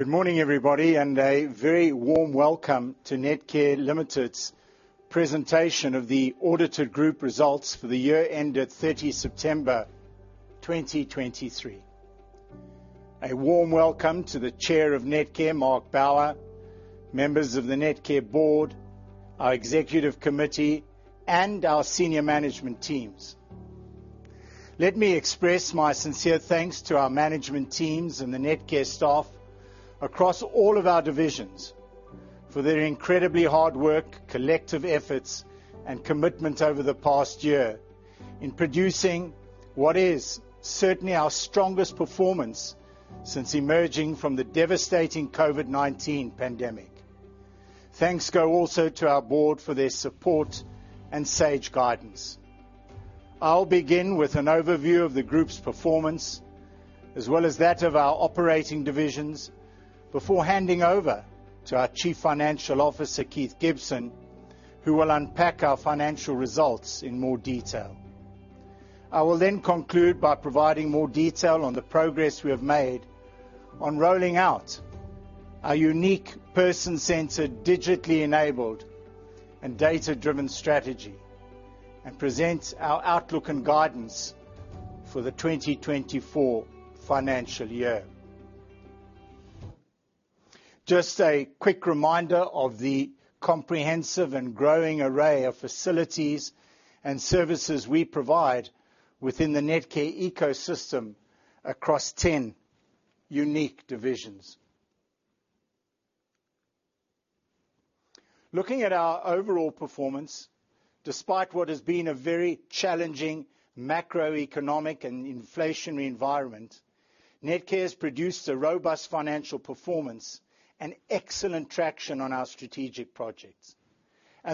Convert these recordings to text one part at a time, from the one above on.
Good morning, everybody, and a very warm welcome to Netcare Limited's presentation of the audited group results for the year ended 30 September 2023. A warm welcome to the Chair of Netcare, Mark Bower, members of the Netcare board, our executive committee, and our senior management teams. Let me express my sincere thanks to our management teams and the Netcare staff across all of our divisions for their incredibly hard work, collective efforts, and commitment over the past year in producing what is certainly our strongest performance since emerging from the devastating COVID-19 pandemic. Thanks go also to our board for their support and sage guidance. I'll begin with an overview of the group's performance, as well as that of our operating divisions, before handing over to our Chief Financial Officer, Keith Gibson, who will unpack our financial results in more detail. I will then conclude by providing more detail on the progress we have made on rolling out our unique, person-centered, digitally enabled and data-driven strategy, and present our outlook and guidance for the 2024 financial year. Just a quick reminder of the comprehensive and growing array of facilities and services we provide within the Netcare ecosystem across 10 unique divisions. Looking at our overall performance, despite what has been a very challenging macroeconomic and inflationary environment, Netcare has produced a robust financial performance and excellent traction on our strategic projects.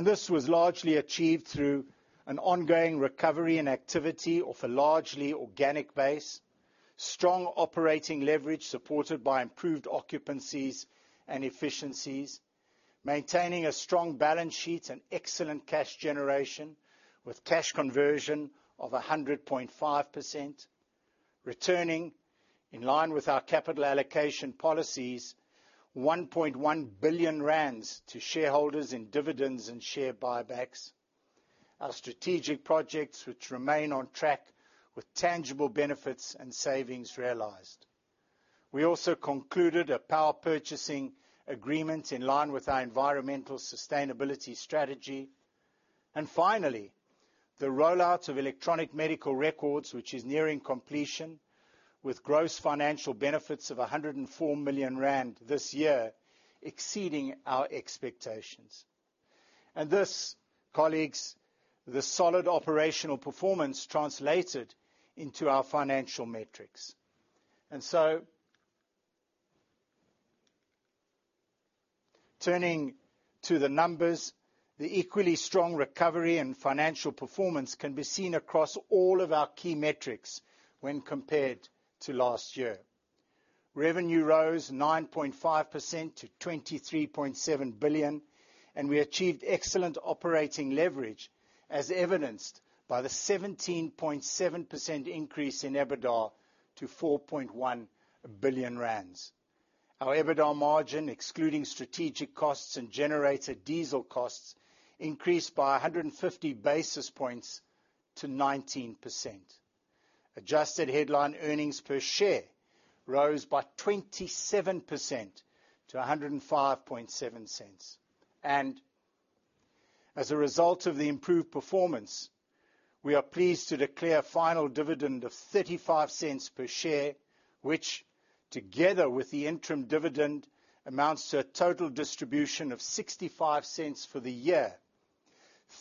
This was largely achieved through an ongoing recovery and activity of a largely organic base, strong operating leverage, supported by improved occupancies and efficiencies, maintaining a strong balance sheet and excellent cash generation, with cash conversion of 100.5%, returning, in line with our capital allocation policies, 1.1 billion rand to shareholders in dividends and share buybacks. Our strategic projects, which remain on track with tangible benefits and savings, realized. We also concluded a power purchasing agreement in line with our environmental sustainability strategy. Finally, the rollout of electronic medical records, which is nearing completion, with gross financial benefits of 104 million rand this year, exceeding our expectations. And this, colleagues, the solid operational performance translated into our financial metrics. Turning to the numbers, the equally strong recovery and financial performance can be seen across all of our key metrics when compared to last year. Revenue rose 9.5% to 23.7 billion, and we achieved excellent operating leverage, as evidenced by the 17.7% increase in EBITDA to 4.1 billion rand. Our EBITDA margin, excluding strategic costs and generator diesel costs, increased by 150 basis points to 19%. Adjusted headline earnings per share rose by 27% to 1.057. As a result of the improved performance, we are pleased to declare a final dividend of 0.35 per share, which, together with the interim dividend, amounts to a total distribution of 0.65 for the year,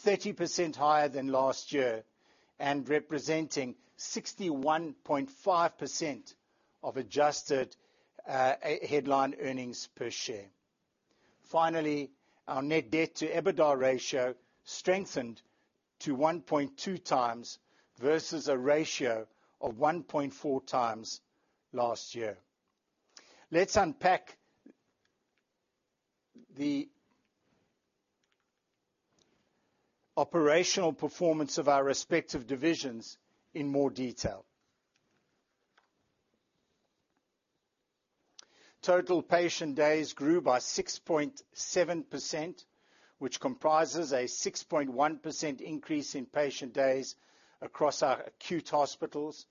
30% higher than last year and representing 61.5% of adjusted headline earnings per share. Finally, our net debt to EBITDA ratio strengthened to 1.2 times versus a ratio of 1.4 times last year. Let's unpack the operational performance of our respective divisions in more detail. Total patient days grew by 6.7%, which comprises a 6.1% increase in patient days across our acute hospitals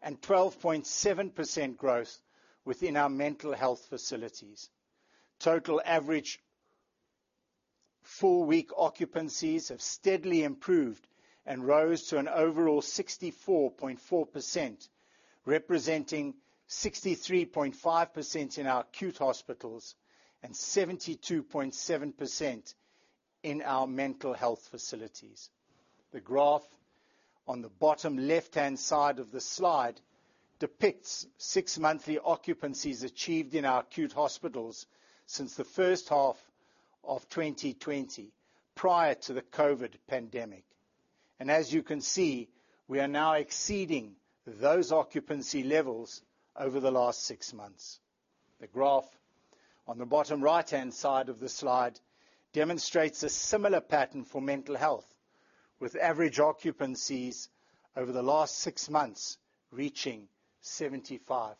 and 12.7% growth within our mental health facilities. Total average four-week occupancies have steadily improved and rose to an overall 64.4%, representing 63.5% in our acute hospitals and 72.7% in our mental health facilities. The graph on the bottom left-hand side of the slide depicts 6-monthly occupancies achieved in our acute hospitals since the first half of 2020, prior to the COVID pandemic. And as you can see, we are now exceeding those occupancy levels over the last six months. The graph on the bottom right-hand side of the slide demonstrates a similar pattern for mental health with average occupancies over the last six months reaching 75%.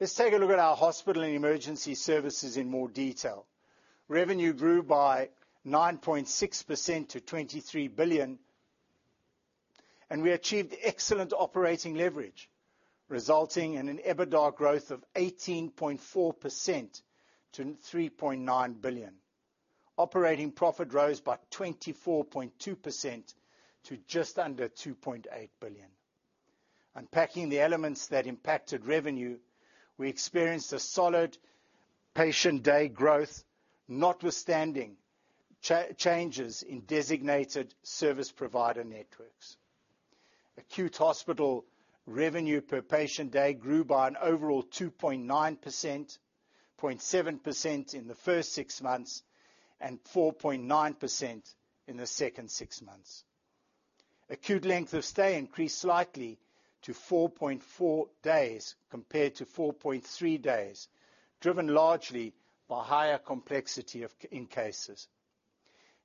Let's take a look at our hospital and emergency services in more detail. Revenue grew by 9.6% to 23 billion, and we achieved excellent operating leverage, resulting in an EBITDA growth of 18.4% to 3.9 billion. Operating profit rose by 24.2% to just under 2.8 billion. Unpacking the elements that impacted revenue, we experienced a solid patient day growth, notwithstanding changes in designated service provider networks. Acute hospital revenue per patient day grew by an overall 2.9%, 0.7% in the first six months, and 4.9% in the second six months. Acute length of stay increased slightly to 4.4 days, compared to 4.3 days, driven largely by higher complexity of in cases.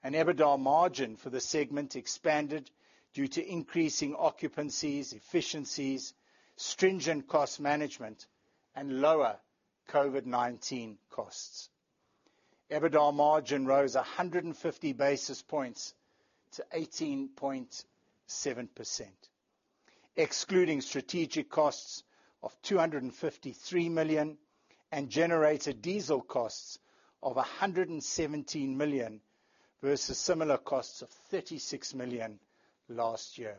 An EBITDA margin for the segment expanded due to increasing occupancies, efficiencies, stringent cost management, and lower COVID-19 costs. EBITDA margin rose 150 basis points to 18.7%, excluding strategic costs of 253 million and generated diesel costs of 117 million, versus similar costs of 36 million last year.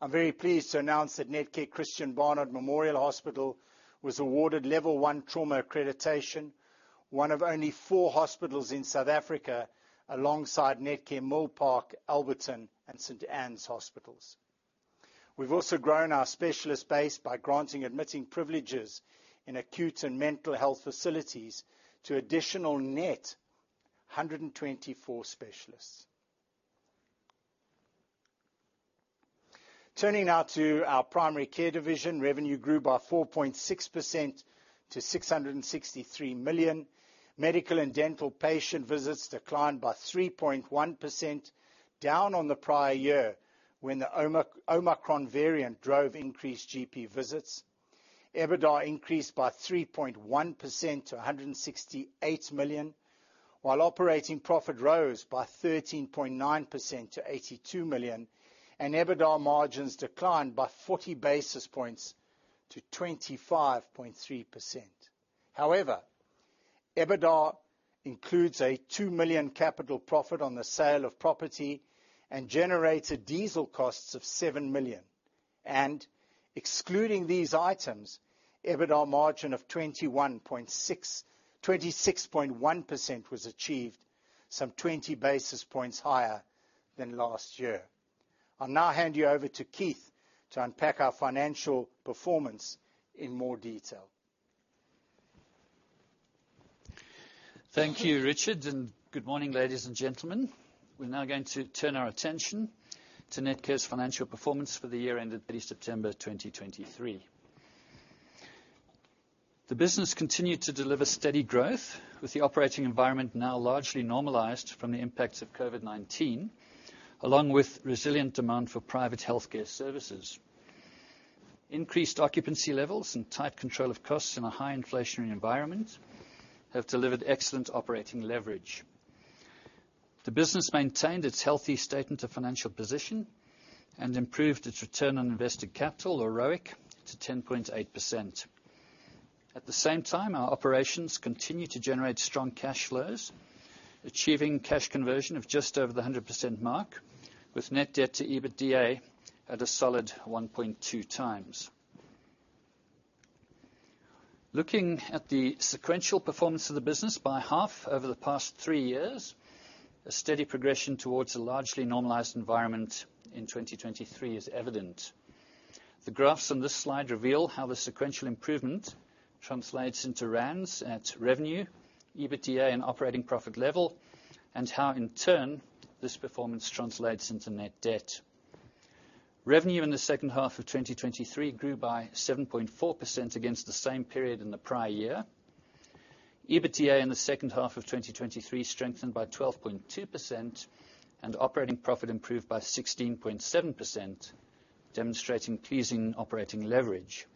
I'm very pleased to announce that Netcare Christiaan Barnard Memorial Hospital was awarded Level 1 Trauma Accreditation, one of only four hospitals in South Africa, alongside Netcare Milpark, Alberton, and St. Anne's hospitals. We've also grown our specialist base by granting admitting privileges in acute and mental health facilities to additional net 124 specialists. Turning now to our primary care division, revenue grew by 4.6% to 663 million. Medical and dental patient visits declined by 3.1%, down on the prior year, when the Omicron variant drove increased GP visits. EBITDA increased by 3.1% to 168 million, while operating profit rose by 13.9% to 82 million, and EBITDA margins declined by 40 basis points to 25.3%. However, EBITDA includes a 2 million capital profit on the sale of property and generated diesel costs of 7 million. Excluding these items, EBITDA margin of 26.1% was achieved, some 20 basis points higher than last year. I'll now hand you over to Keith to unpack our financial performance in more detail. Thank you, Richard, and good morning, ladies and gentlemen. We're now going to turn our attention to Netcare's financial performance for the year ended 30 September 2023. The business continued to deliver steady growth, with the operating environment now largely normalized from the impacts of COVID-19, along with resilient demand for private healthcare services. Increased occupancy levels and tight control of costs in a high inflationary environment have delivered excellent operating leverage. The business maintained its healthy statement of financial position and improved its return on invested capital, or ROIC, to 10.8%. At the same time, our operations continue to generate strong cash flows, achieving cash conversion of just over the 100% mark, with net debt to EBITDA at a solid 1.2 times. Looking at the sequential performance of the business by half over the past three years, a steady progression towards a largely normalized environment in 2023 is evident. The graphs on this slide reveal how the sequential improvement translates into rands at revenue, EBITDA, and operating profit level, and how, in turn, this performance translates into net debt. Revenue in the second half of 2023 grew by 7.4% against the same period in the prior year. EBITDA in the second half of 2023 strengthened by 12.2%, and operating profit improved by 16.7%, demonstrating pleasing operating leverage.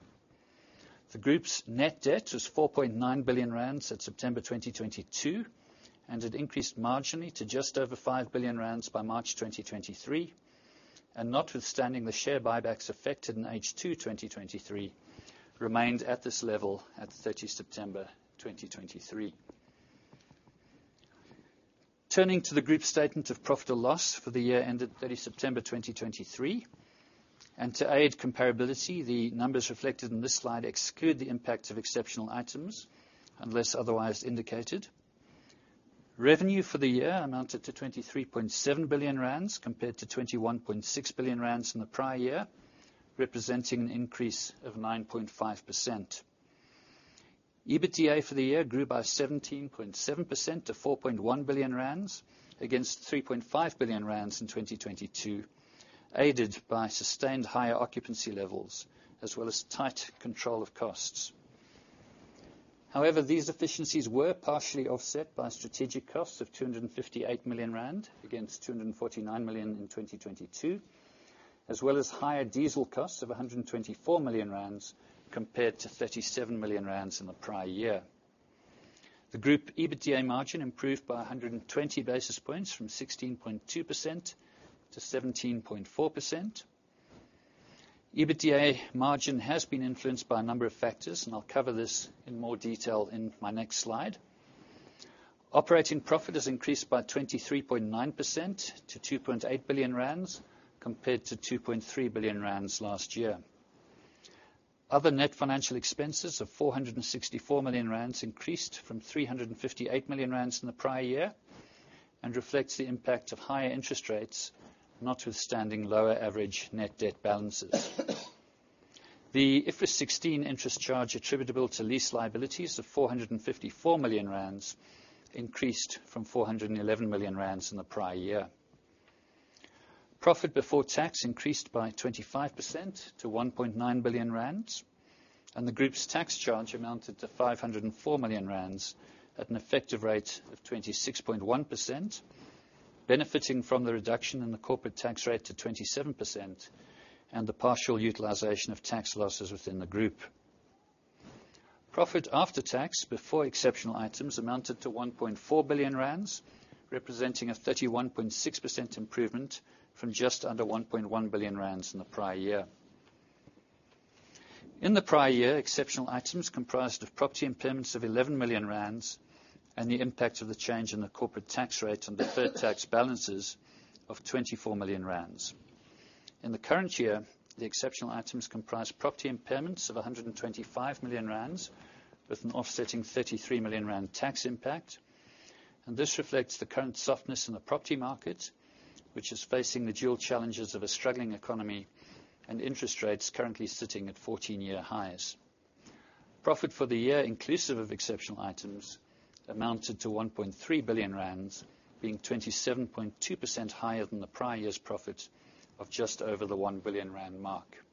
The group's net debt was 4.9 billion rand at September 2022, and it increased marginally to just over 5 billion rand by March 2023, and notwithstanding the share buybacks effected in H2 2023, remained at this level at 30 September 2023. Turning to the group statement of profit or loss for the year ended 30 September 2023, and to aid comparability, the numbers reflected in this slide exclude the impact of exceptional items, unless otherwise indicated. Revenue for the year amounted to 23.7 billion rand, compared to 21.6 billion rand in the prior year, representing an increase of 9.5%. EBITDA for the year grew by 17.7% to 4.1 billion rand, against 3.5 billion rand in 2022, aided by sustained higher occupancy levels, as well as tight control of costs. However, these efficiencies were partially offset by strategic costs of 258 million rand, against 249 million in 2022, as well as higher diesel costs of 124 million rand compared to 37 million rand in the prior year. The group EBITDA margin improved by 120 basis points from 16.2% to 17.4%. EBITDA margin has been influenced by a number of factors, and I'll cover this in more detail in my next slide. Operating profit has increased by 23.9% to 2.8 billion rand, compared to 2.3 billion rand last year. Other net financial expenses of 464 million rand increased from 358 million rand in the prior year, and reflects the impact of higher interest rates, notwithstanding lower average net debt balances. The IFRS 16 interest charge attributable to lease liabilities of 454 million rand increased from 411 million rand in the prior year. Profit before tax increased by 25% to 1.9 billion rand, and the group's tax charge amounted to 504 million rand at an effective rate of 26.1%, benefiting from the reduction in the corporate tax rate to 27% and the partial utilization of tax losses within the group. Profit after tax, before exceptional items, amounted to 1.4 billion rand, representing a 31.6% improvement from just under 1.1 billion rand in the prior year. In the prior year, exceptional items comprised of property impairments of 11 million rand, and the impact of the change in the corporate tax rate and deferred tax balances of 24 million rand. In the current year, the exceptional items comprise property impairments of 125 million rand, with an offsetting 33 million rand tax impact, and this reflects the current softness in the property market, which is facing the dual challenges of a struggling economy and interest rates currently sitting at fourteen-year highs. Profit for the year, inclusive of exceptional items, amounted to 1.3 billion rand, being 27.2% higher than the prior year's profit of just over the 1 billion rand mark.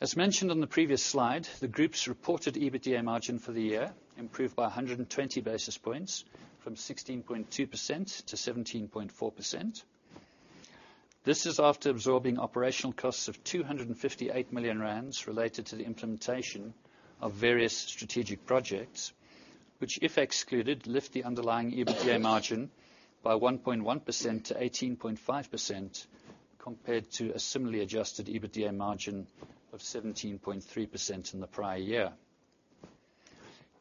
As mentioned on the previous slide, the group's reported EBITDA margin for the year improved by 120 basis points from 16.2% to 17.4%. This is after absorbing operational costs of 258 million rand related to the implementation of various strategic projects, which, if excluded, lift the underlying EBITDA margin by 1.1% to 18.5%, compared to a similarly adjusted EBITDA margin of 17.3% in the prior year.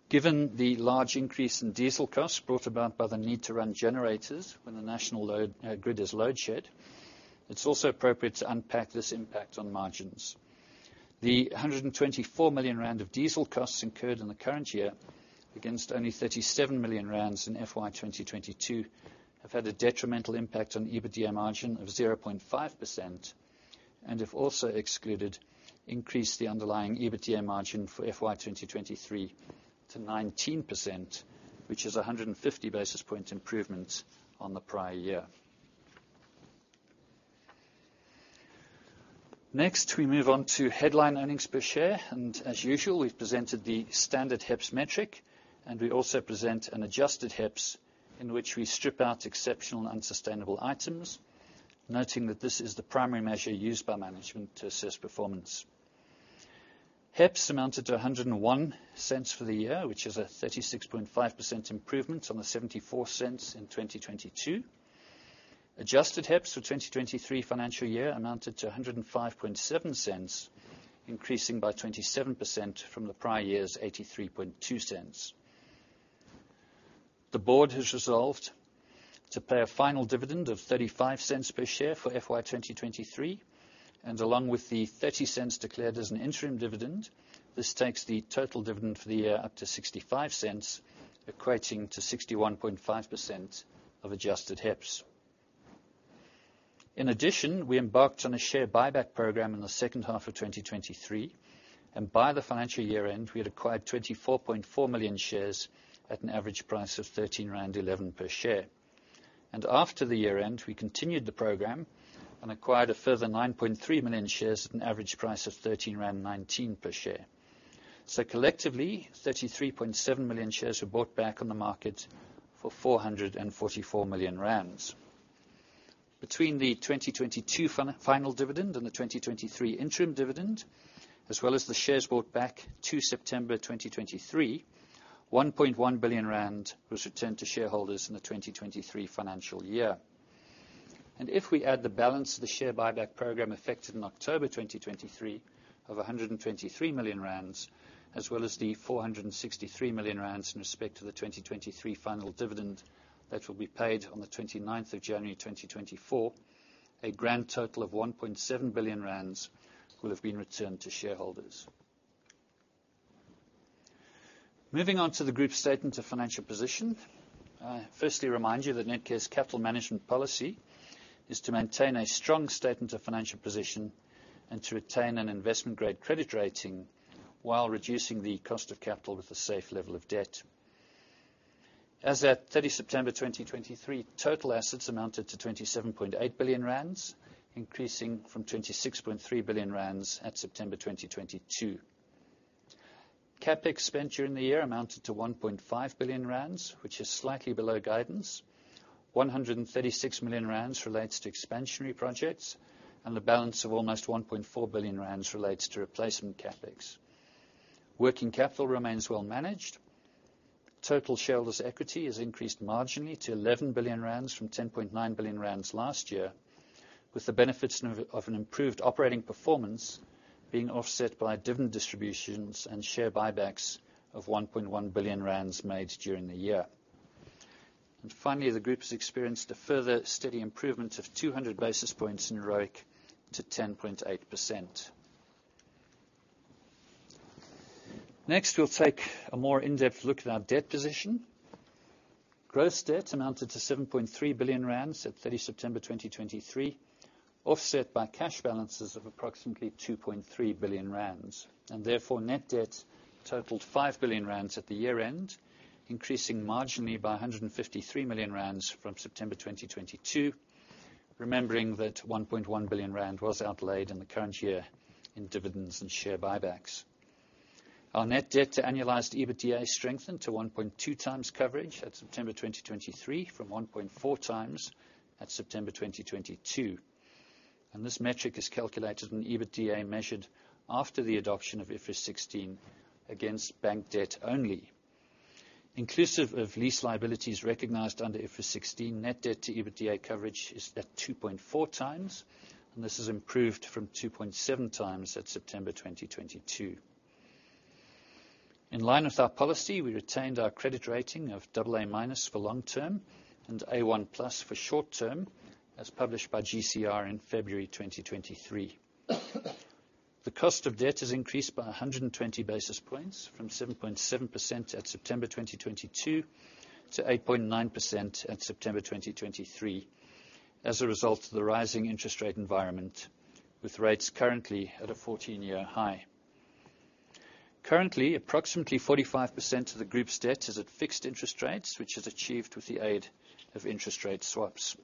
Given the large increase in diesel costs brought about by the need to run generators when the national load, grid is load shed, it's also appropriate to unpack this impact on margins. The 124 million rand of diesel costs incurred in the current year, against only 37 million rands in FY 2022, have had a detrimental impact on EBITDA margin of 0.5%, and if also excluded, increase the underlying EBITDA margin for FY 2023 to 19%, which is a 150 basis point improvement on the prior year. Next, we move on to headline earnings per share, and as usual, we've presented the standard HEPS metric, and we also present an adjusted HEPS in which we strip out exceptional and unsustainable items, noting that this is the primary measure used by management to assess performance. HEPS amounted to 1.01 for the year, which is a 36.5% improvement on the 0.74 in 2022. Adjusted HEPS for 2023 financial year amounted to 1.057, increasing by 27% from the prior year's 0.832. The board has resolved to pay a final dividend of 0.35 per share for FY 2023, and along with the 0.30 declared as an interim dividend, this takes the total dividend for the year up to 0.65, equating to 61.5% of adjusted HEPS. In addition, we embarked on a share buyback program in the second half of 2023, and by the financial year end, we had acquired 24.4 million shares at an average price of 13.11 per share. After the year end, we continued the program and acquired a further 9.3 million shares at an average price of 13.19 per share. So collectively, 33.7 million shares were bought back on the market for 444 million rand. Between the 2022 final dividend and the 2023 interim dividend, as well as the shares bought back to September 2023, 1.1 billion rand was returned to shareholders in the 2023 financial year. If we add the balance of the share buyback program, effected in October 2023, of 123 million rand, as well as the 463 million rand in respect to the 2023 final dividend that will be paid on the 29th of January 2024, a grand total of 1.7 billion rand will have been returned to shareholders. Moving on to the group statement of financial position. Firstly, remind you that Netcare's capital management policy is to maintain a strong statement of financial position and to retain an investment-grade credit rating while reducing the cost of capital with a safe level of debt. As at 30 September 2023, total assets amounted to 27.8 billion rand, increasing from 26.3 billion rand at September 2022. CapEx spent during the year amounted to 1.5 billion rand, which is slightly below guidance. 136 million rand relates to expansionary projects, and the balance of almost 1.4 billion rand relates to replacement CapEx. Working capital remains well managed. Total shareholders' equity has increased marginally to 11 billion rand from 10.9 billion rand last year, with the benefits of an improved operating performance being offset by dividend distributions and share buybacks of 1.1 billion rand made during the year. And finally, the group has experienced a further steady improvement of 200 basis points in ROIC to 10.8%. Next, we'll take a more in-depth look at our debt position. Gross debt amounted to 7.3 billion rand at 30 September 2023, offset by cash balances of approximately 2.3 billion rand, and therefore, net debt totaled 5 billion rand at the year-end, increasing marginally by 153 million rand from September 2022. Remembering that 1.1 billion rand was outlaid in the current year in dividends and share buybacks. Our net debt to annualized EBITDA strengthened to 1.2 times coverage at September 2023, from 1.4 times at September 2022, and this metric is calculated on EBITDA measured after the adoption of IFRS 16 against bank debt only. Inclusive of lease liabilities recognized under IFRS 16, net debt to EBITDA coverage is at 2.4 times, and this has improved from 2.7 times at September 2022. In line with our policy, we retained our credit rating of AA- for long term and A1+ for short term, as published by GCR in February 2023. The cost of debt has increased by 120 basis points, from 7.7% at September 2022 to 8.9% at September 2023, as a result of the rising interest rate environment, with rates currently at a 14-year high. Currently, approximately 45% of the group's debt is at fixed interest rates, which is achieved with the aid of interest rate swaps.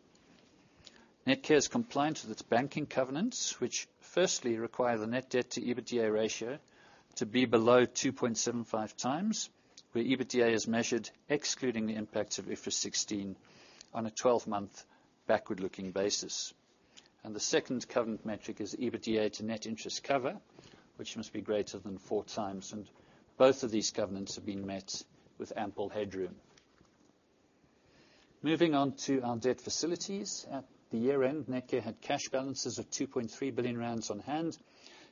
Netcare is compliant with its banking covenants, which firstly require the net debt to EBITDA ratio to be below 2.75 times, where EBITDA is measured, excluding the impacts of IFRS 16 on a 12-month backward-looking basis. The second covenant metric is EBITDA to net interest cover, which must be greater than 4 times, and both of these covenants have been met with ample headroom. Moving on to our debt facilities. At the year-end, Netcare had cash balances of 2.3 billion rand on hand,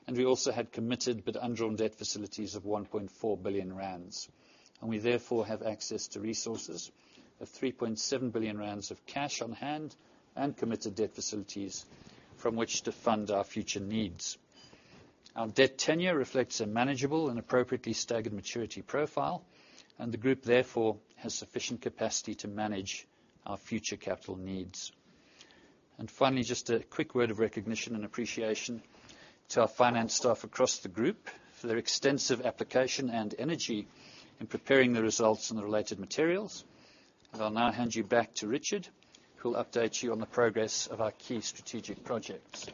and we also had committed, but undrawn debt facilities of 1.4 billion rand, and we therefore have access to resources of 3.7 billion rand of cash on hand and committed debt facilities from which to fund our future needs. Our debt tenure reflects a manageable and appropriately staggered maturity profile, and the group, therefore, has sufficient capacity to manage our future capital needs. And finally, just a quick word of recognition and appreciation to our finance staff across the group for their extensive application and energy in preparing the results and the related materials. I'll now hand you back to Richard, who will update you on the progress of our key strategic projects.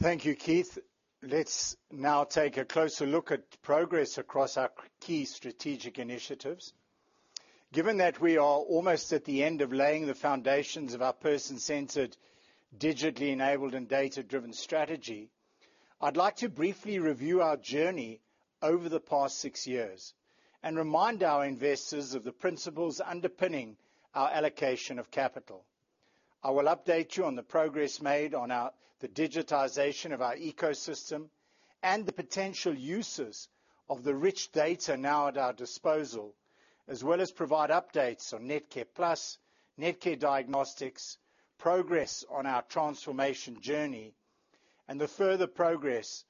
Thank you, Keith. Let's now take a closer look at progress across our key strategic initiatives. Given that we are almost at the end of laying the foundations of our person-centered, digitally enabled, and data-driven strategy, I'd like to briefly review our journey over the past six years, and remind our investors of the principles underpinning our allocation of capital. I will update you on the progress made on the digitization of our ecosystem and the potential uses of the rich data now at our disposal, as well as provide updates on NetcarePlus, Netcare Diagnostics, progress on our transformation journey, and the further progress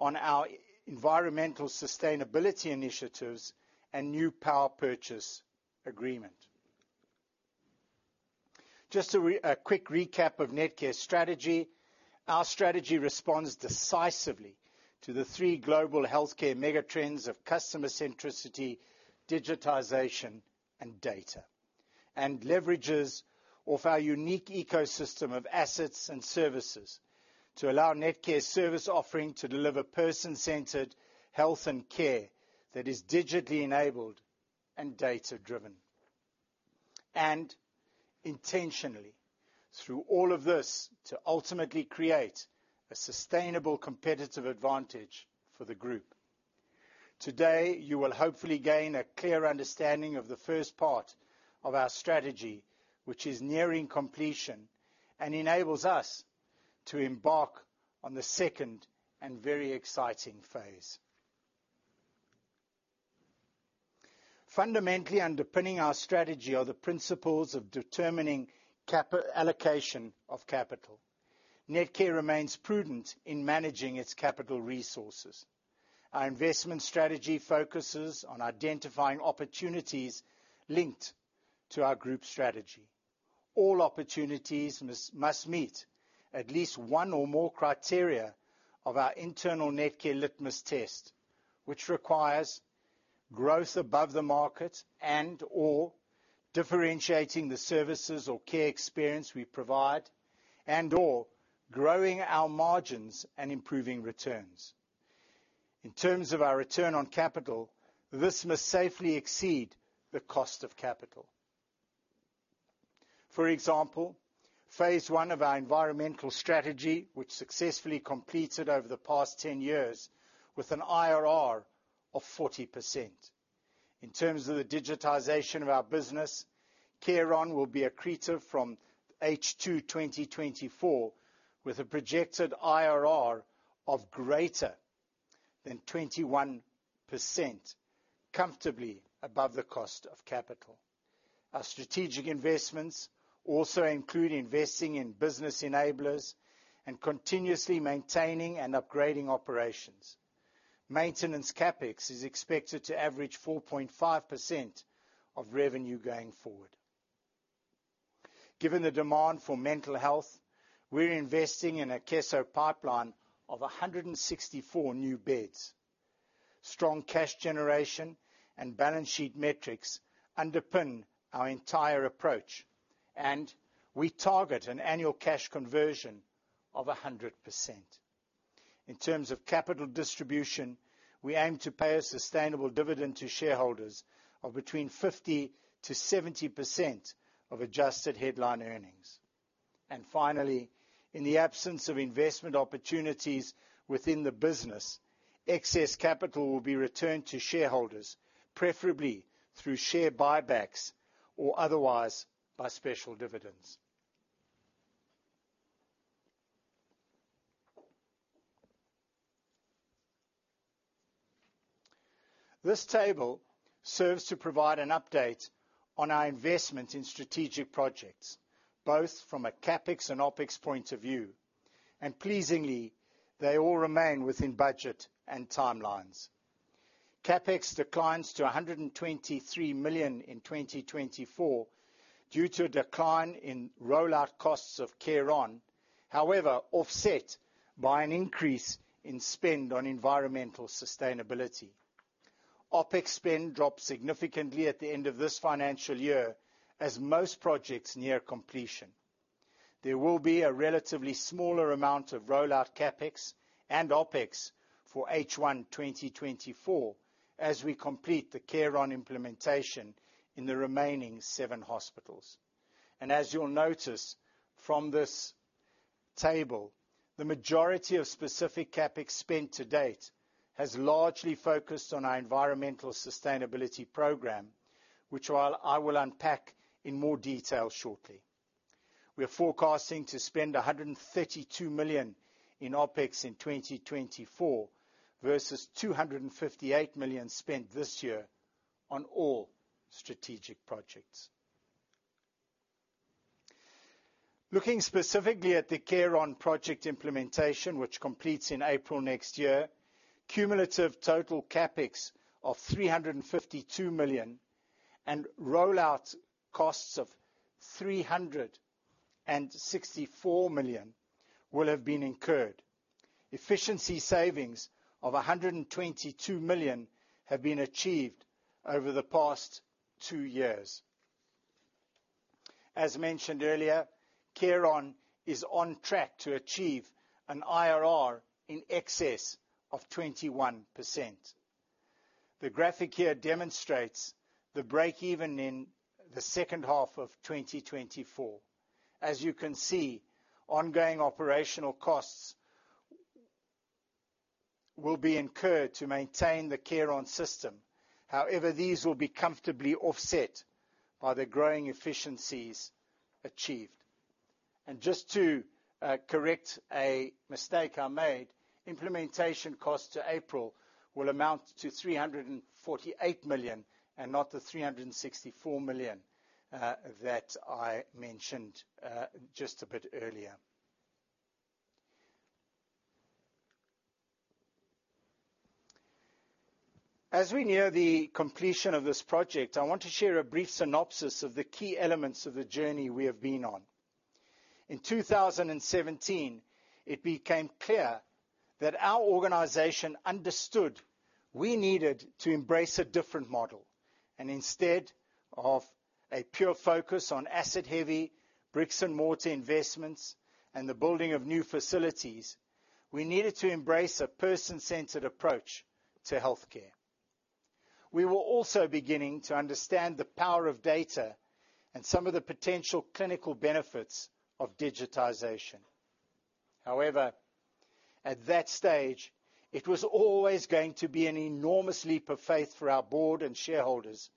on our environmental sustainability initiatives and new power purchase agreement. Just a quick recap of Netcare's strategy. Our strategy responds decisively to the three global healthcare mega trends of customer centricity, digitization, and data, and leverages off our unique ecosystem of assets and services to allow Netcare's service offering to deliver person-centered health and care that is digitally enabled and data-driven. And intentionally, through all of this, to ultimately create a sustainable competitive advantage for the group. Today, you will hopefully gain a clear understanding of the first part of our strategy, which is nearing completion and enables us to embark on the second and very exciting phase. Fundamentally underpinning our strategy are the principles of determining capital allocation. Netcare remains prudent in managing its capital resources. Our investment strategy focuses on identifying opportunities linked to our group strategy. All opportunities must meet at least one or more criteria of our internal Netcare litmus test, which requires growth above the market and/or differentiating the services or care experience we provide, and/or growing our margins and improving returns. In terms of our return on capital, this must safely exceed the cost of capital. For example, phase one of our environmental strategy, which successfully completed over the past ten years, with an IRR of 40%. In terms of the digitization of our business, CareOn will be accretive from H2 2024, with a projected IRR of greater than 21%, comfortably above the cost of capital. Our strategic investments also include investing in business enablers and continuously maintaining and upgrading operations. Maintenance CapEx is expected to average 4.5% of revenue going forward. Given the demand for mental health, we're investing in an Akeso pipeline of 164 new beds. Strong cash generation and balance sheet metrics underpin our entire approach, and we target an annual cash conversion of 100%. In terms of capital distribution, we aim to pay a sustainable dividend to shareholders of between 50%-70% of adjusted headline earnings. And finally, in the absence of investment opportunities within the business, excess capital will be returned to shareholders, preferably through share buybacks or otherwise by special dividends. This table serves to provide an update on our investment in strategic projects, both from a CapEx and OpEx point of view, and pleasingly, they all remain within budget and timelines. CapEx declines to 123 million in 2024 due to a decline in rollout costs of CareOn, however, offset by an increase in spend on environmental sustainability. OpEx spend drops significantly at the end of this financial year, as most projects near completion. There will be a relatively smaller amount of rollout CapEx and OpEx for H1 2024, as we complete the CareOn implementation in the remaining seven hospitals. And as you'll notice from this table, the majority of specific CapEx spent to date has largely focused on our environmental sustainability program, which I'll, I will unpack in more detail shortly. We are forecasting to spend 132 million in OpEx in 2024 versus 258 million spent this year on all strategic projects. Looking specifically at the CareOn project implementation, which completes in April next year, cumulative total CapEx of 352 million and rollout costs of 364 million will have been incurred. Efficiency savings of 122 million have been achieved over the past two years. As mentioned earlier, CareOn is on track to achieve an IRR in excess of 21%. The graphic here demonstrates the break-even in the second half of 2024. As you can see, ongoing operational costs will be incurred to maintain the CareOn system. However, these will be comfortably offset by the growing efficiencies achieved. And just to correct a mistake I made, implementation costs to April will amount to 348 million and not the 364 million that I mentioned just a bit earlier. As we near the completion of this project, I want to share a brief synopsis of the key elements of the journey we have been on. In 2017, it became clear that our organization understood we needed to embrace a different model, and instead of a pure focus on asset-heavy bricks-and-mortar investments and the building of new facilities, we needed to embrace a person-centered approach to healthcare. We were also beginning to understand the power of data and some of the potential clinical benefits of digitization. However, at that stage, it was always going to be an enormous leap of faith for our board and shareholders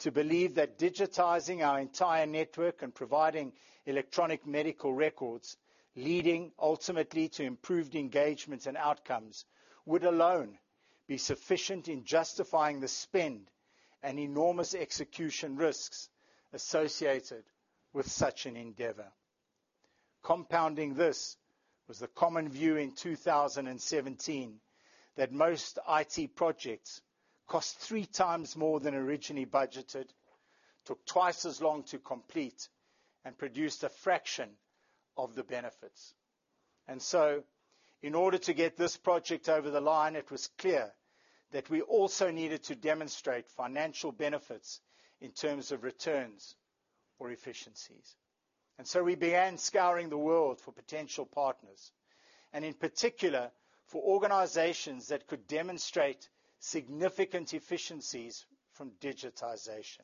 to believe that digitizing our entire network and providing electronic medical records, leading ultimately to improved engagement and outcomes, would alone be sufficient in justifying the spend and enormous execution risks associated with such an endeavor. Compounding this was the common view in 2017, that most IT projects cost three times more than originally budgeted, took twice as long to complete, and produced a fraction of the benefits. And so, in order to get this project over the line, it was clear that we also needed to demonstrate financial benefits in terms of returns or efficiencies. And so we began scouring the world for potential partners, and in particular, for organizations that could demonstrate significant efficiencies from digitization.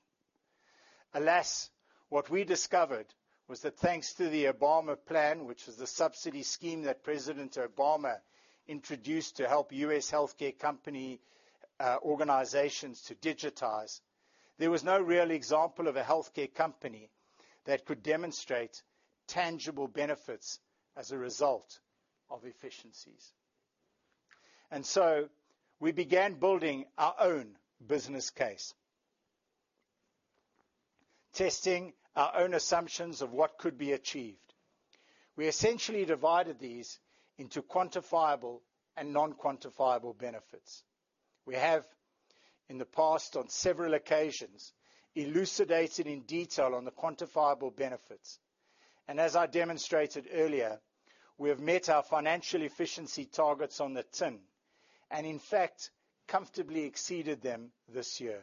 Alas, what we discovered was that thanks to the Obama Plan, which was the subsidy scheme that President Obama introduced to help U.S. healthcare company organizations to digitize, there was no real example of a healthcare company that could demonstrate tangible benefits as a result of efficiencies. And so we began building our own business case. Testing our own assumptions of what could be achieved. We essentially divided these into quantifiable and non-quantifiable benefits. We have, in the past, on several occasions, elucidated in detail on the quantifiable benefits, and as I demonstrated earlier, we have met our financial efficiency targets on the tin, and in fact, comfortably exceeded them this year.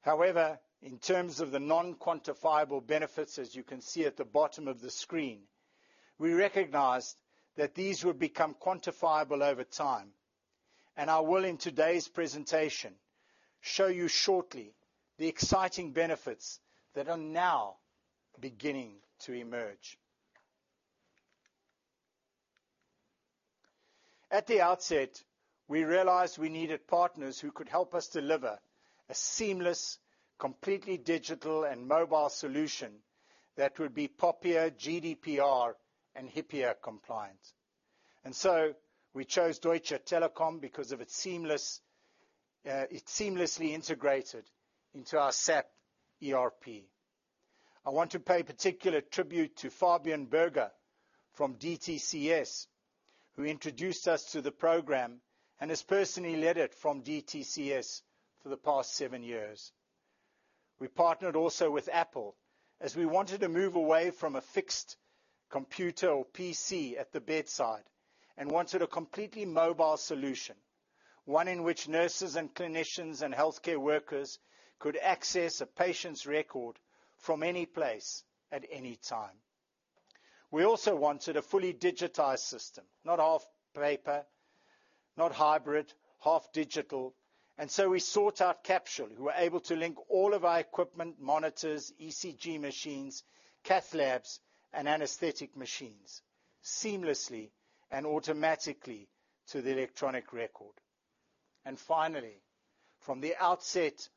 However, in terms of the non-quantifiable benefits, as you can see at the bottom of the screen, we recognized that these would become quantifiable over time, and I will, in today's presentation, show you shortly the exciting benefits that are now beginning to emerge. At the outset, we realized we needed partners who could help us deliver a seamless, completely digital and mobile solution that would be POPIA, GDPR, and HIPAA compliant. And so we chose Deutsche Telekom because of its seamless, it seamlessly integrated into our SAP ERP. I want to pay particular tribute to Fabian Berger from DTCS, who introduced us to the program and has personally led it from DTCS for the past seven years. We partnered also with Apple, as we wanted to move away from a fixed computer or PC at the bedside and wanted a completely mobile solution, one in which nurses and clinicians and healthcare workers could access a patient's record from any place at any time. We also wanted a fully digitized system, not half paper, not hybrid, half digital, and so we sought out Capsule, who were able to link all of our equipment, monitors, ECG machines, cath labs, and anesthetic machines seamlessly and automatically to the electronic record. And finally, from the outset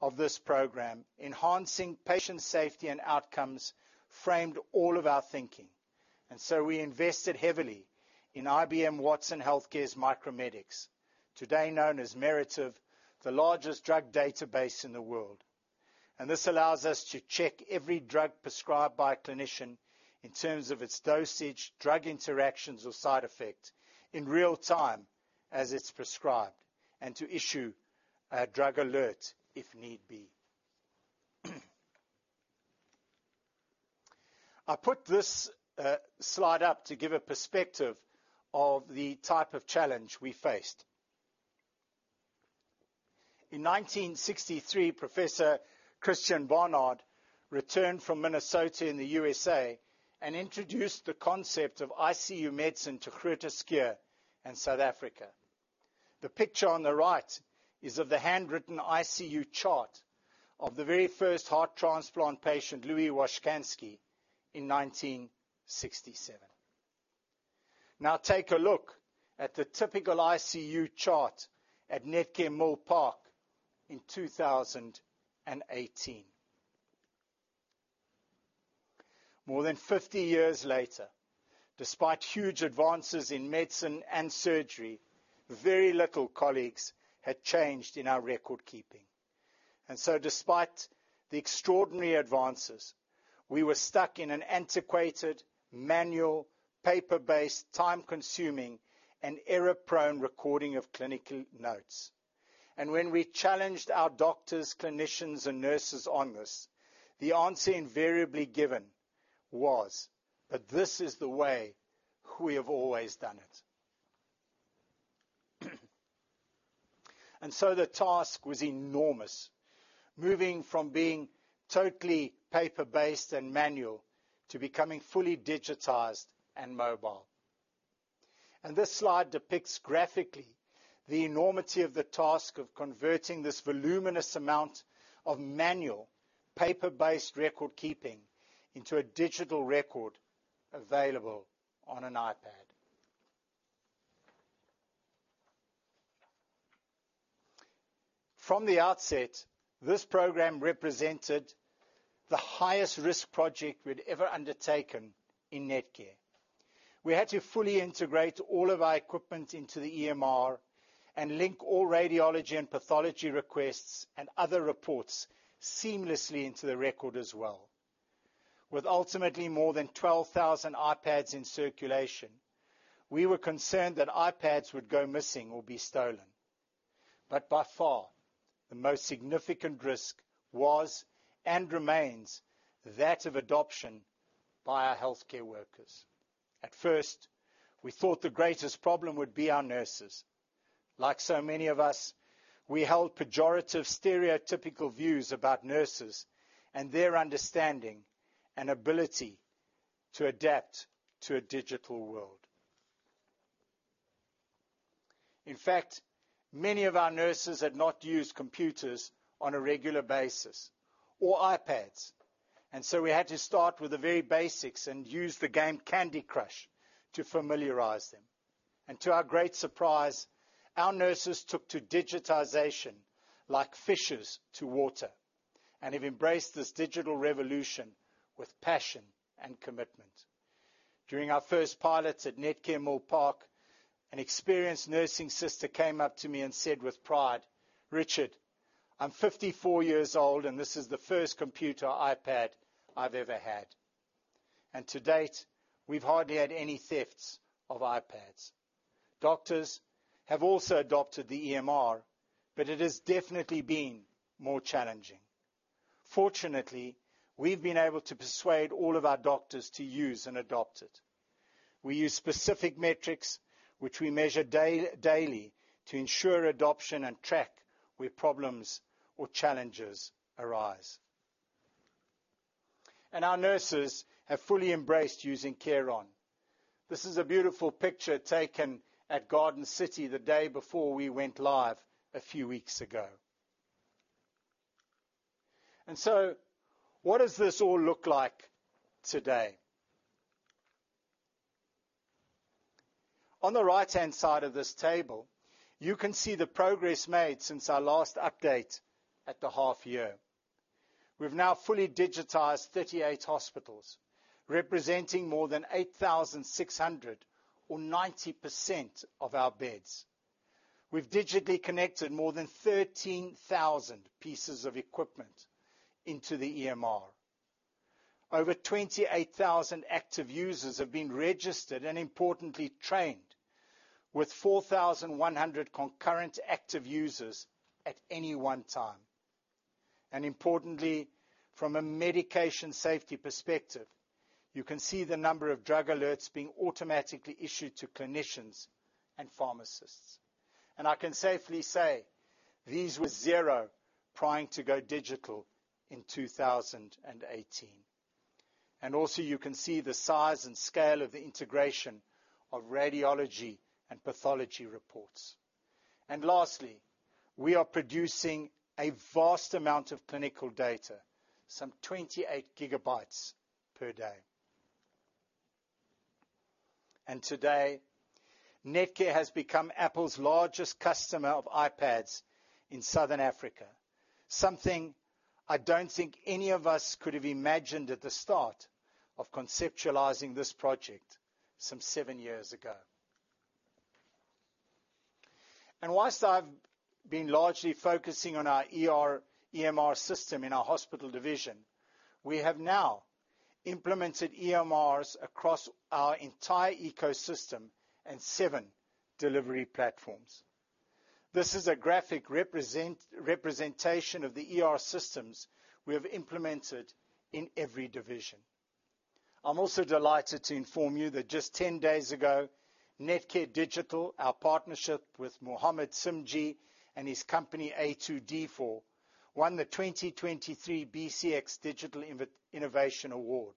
of this program, enhancing patient safety and outcomes framed all of our thinking, and so we invested heavily in IBM Watson Health's Micromedex, today known as Merative, the largest drug database in the world. And this allows us to check every drug prescribed by a clinician in terms of its dosage, drug interactions, or side effect in real time, as it's prescribed, and to issue a drug alert if need be. I put this, slide up to give a perspective of the type of challenge we faced. In 1963, Professor Christiaan Barnard returned from Minnesota in the USA and introduced the concept of ICU medicine to Groote Schuur in South Africa. The picture on the right is of the handwritten ICU chart of the very first heart transplant patient, Louis Washkansky, in 1967. Now, take a look at the typical ICU chart at Netcare Milpark in 2018. More than 50 years later, despite huge advances in medicine and surgery, very little, colleagues, had changed in our record keeping. So, despite the extraordinary advances, we were stuck in an antiquated, manual, paper-based, time-consuming, and error-prone recording of clinical notes. When we challenged our doctors, clinicians, and nurses on this, the answer invariably given was, "But this is the way we have always done it." So the task was enormous, moving from being totally paper-based and manual to becoming fully digitized and mobile. This slide depicts graphically the enormity of the task of converting this voluminous amount of manual, paper-based record keeping into a digital record available on an iPad. From the outset, this program represented the highest risk project we'd ever undertaken in Netcare. We had to fully integrate all of our equipment into the EMR and link all radiology and pathology requests and other reports seamlessly into the record as well. With ultimately more than 12,000 iPads in circulation, we were concerned that iPads would go missing or be stolen. But by far, the most significant risk was, and remains, that of adoption by our healthcare workers. At first, we thought the greatest problem would be our nurses. Like so many of us, we held pejorative, stereotypical views about nurses and their understanding and ability to adapt to a digital world. In fact, many of our nurses had not used computers on a regular basis, or iPads, and so we had to start with the very basics and use the game Candy Crush to familiarize them. To our great surprise, our nurses took to digitization like fishes to water and have embraced this digital revolution with passion and commitment. During our first pilot at Netcare Milpark, an experienced nursing sister came up to me and said with pride, "Richard, I'm 54 years old, and this is the first computer iPad I've ever had." To date, we've hardly had any thefts of iPads. Doctors have also adopted the EMR, but it has definitely been more challenging. Fortunately, we've been able to persuade all of our doctors to use and adopt it. We use specific metrics, which we measure daily to ensure adoption and track where problems or challenges arise. Our nurses have fully embraced using CareOn. This is a beautiful picture taken at Garden City the day before we went live a few weeks ago. And so what does this all look like today? On the right-hand side of this table, you can see the progress made since our last update at the half year. We've now fully digitized 38 hospitals, representing more than 8,600, or 90%, of our beds. We've digitally connected more than 13,000 pieces of equipment into the EMR. Over 28,000 active users have been registered and importantly trained, with 4,100 concurrent active users at any one time. And importantly, from a medication safety perspective, you can see the number of drug alerts being automatically issued to clinicians and pharmacists. And I can safely say these were zero prior to go digital in 2018. And also, you can see the size and scale of the integration of radiology and pathology reports. And lastly, we are producing a vast amount of clinical data, some 28 GB per day. And today, Netcare has become Apple's largest customer of iPads in Southern Africa, something I don't think any of us could have imagined at the start of conceptualizing this project some 7 years ago. And while I've been largely focusing on our EMR, EMR system in our hospital division, we have now implemented EMRs across our entire ecosystem and seven delivery platforms. This is a graphic representation of the EMR systems we have implemented in every division. I'm also delighted to inform you that just 10 days ago, Netcare Digital, our partnership with Mohamed Simjee and his company, A2D24, won the 2023 BCX Digital Innovation Award.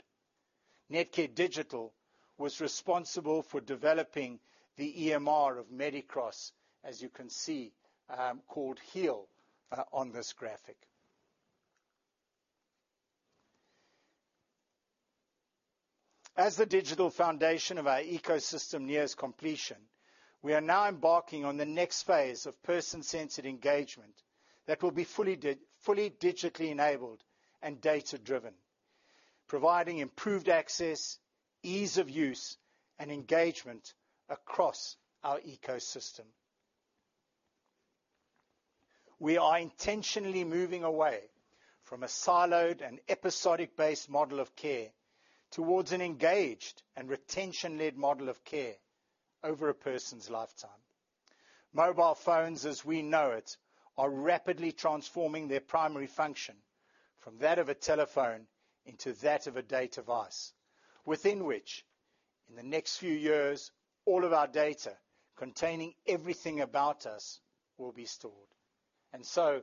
Netcare Digital was responsible for developing the EMR of Medicross, as you can see, called HEAL, on this graphic. As the digital foundation of our ecosystem nears completion, we are now embarking on the next phase of person-centered engagement that will be fully digitally enabled and data-driven, providing improved access, ease of use, and engagement across our ecosystem. We are intentionally moving away from a siloed and episodic-based model of care towards an engaged and retention-led model of care over a person's lifetime. Mobile phones, as we know it, are rapidly transforming their primary function from that of a telephone into that of a data device, within which, in the next few years, all of our data containing everything about us will be stored. And so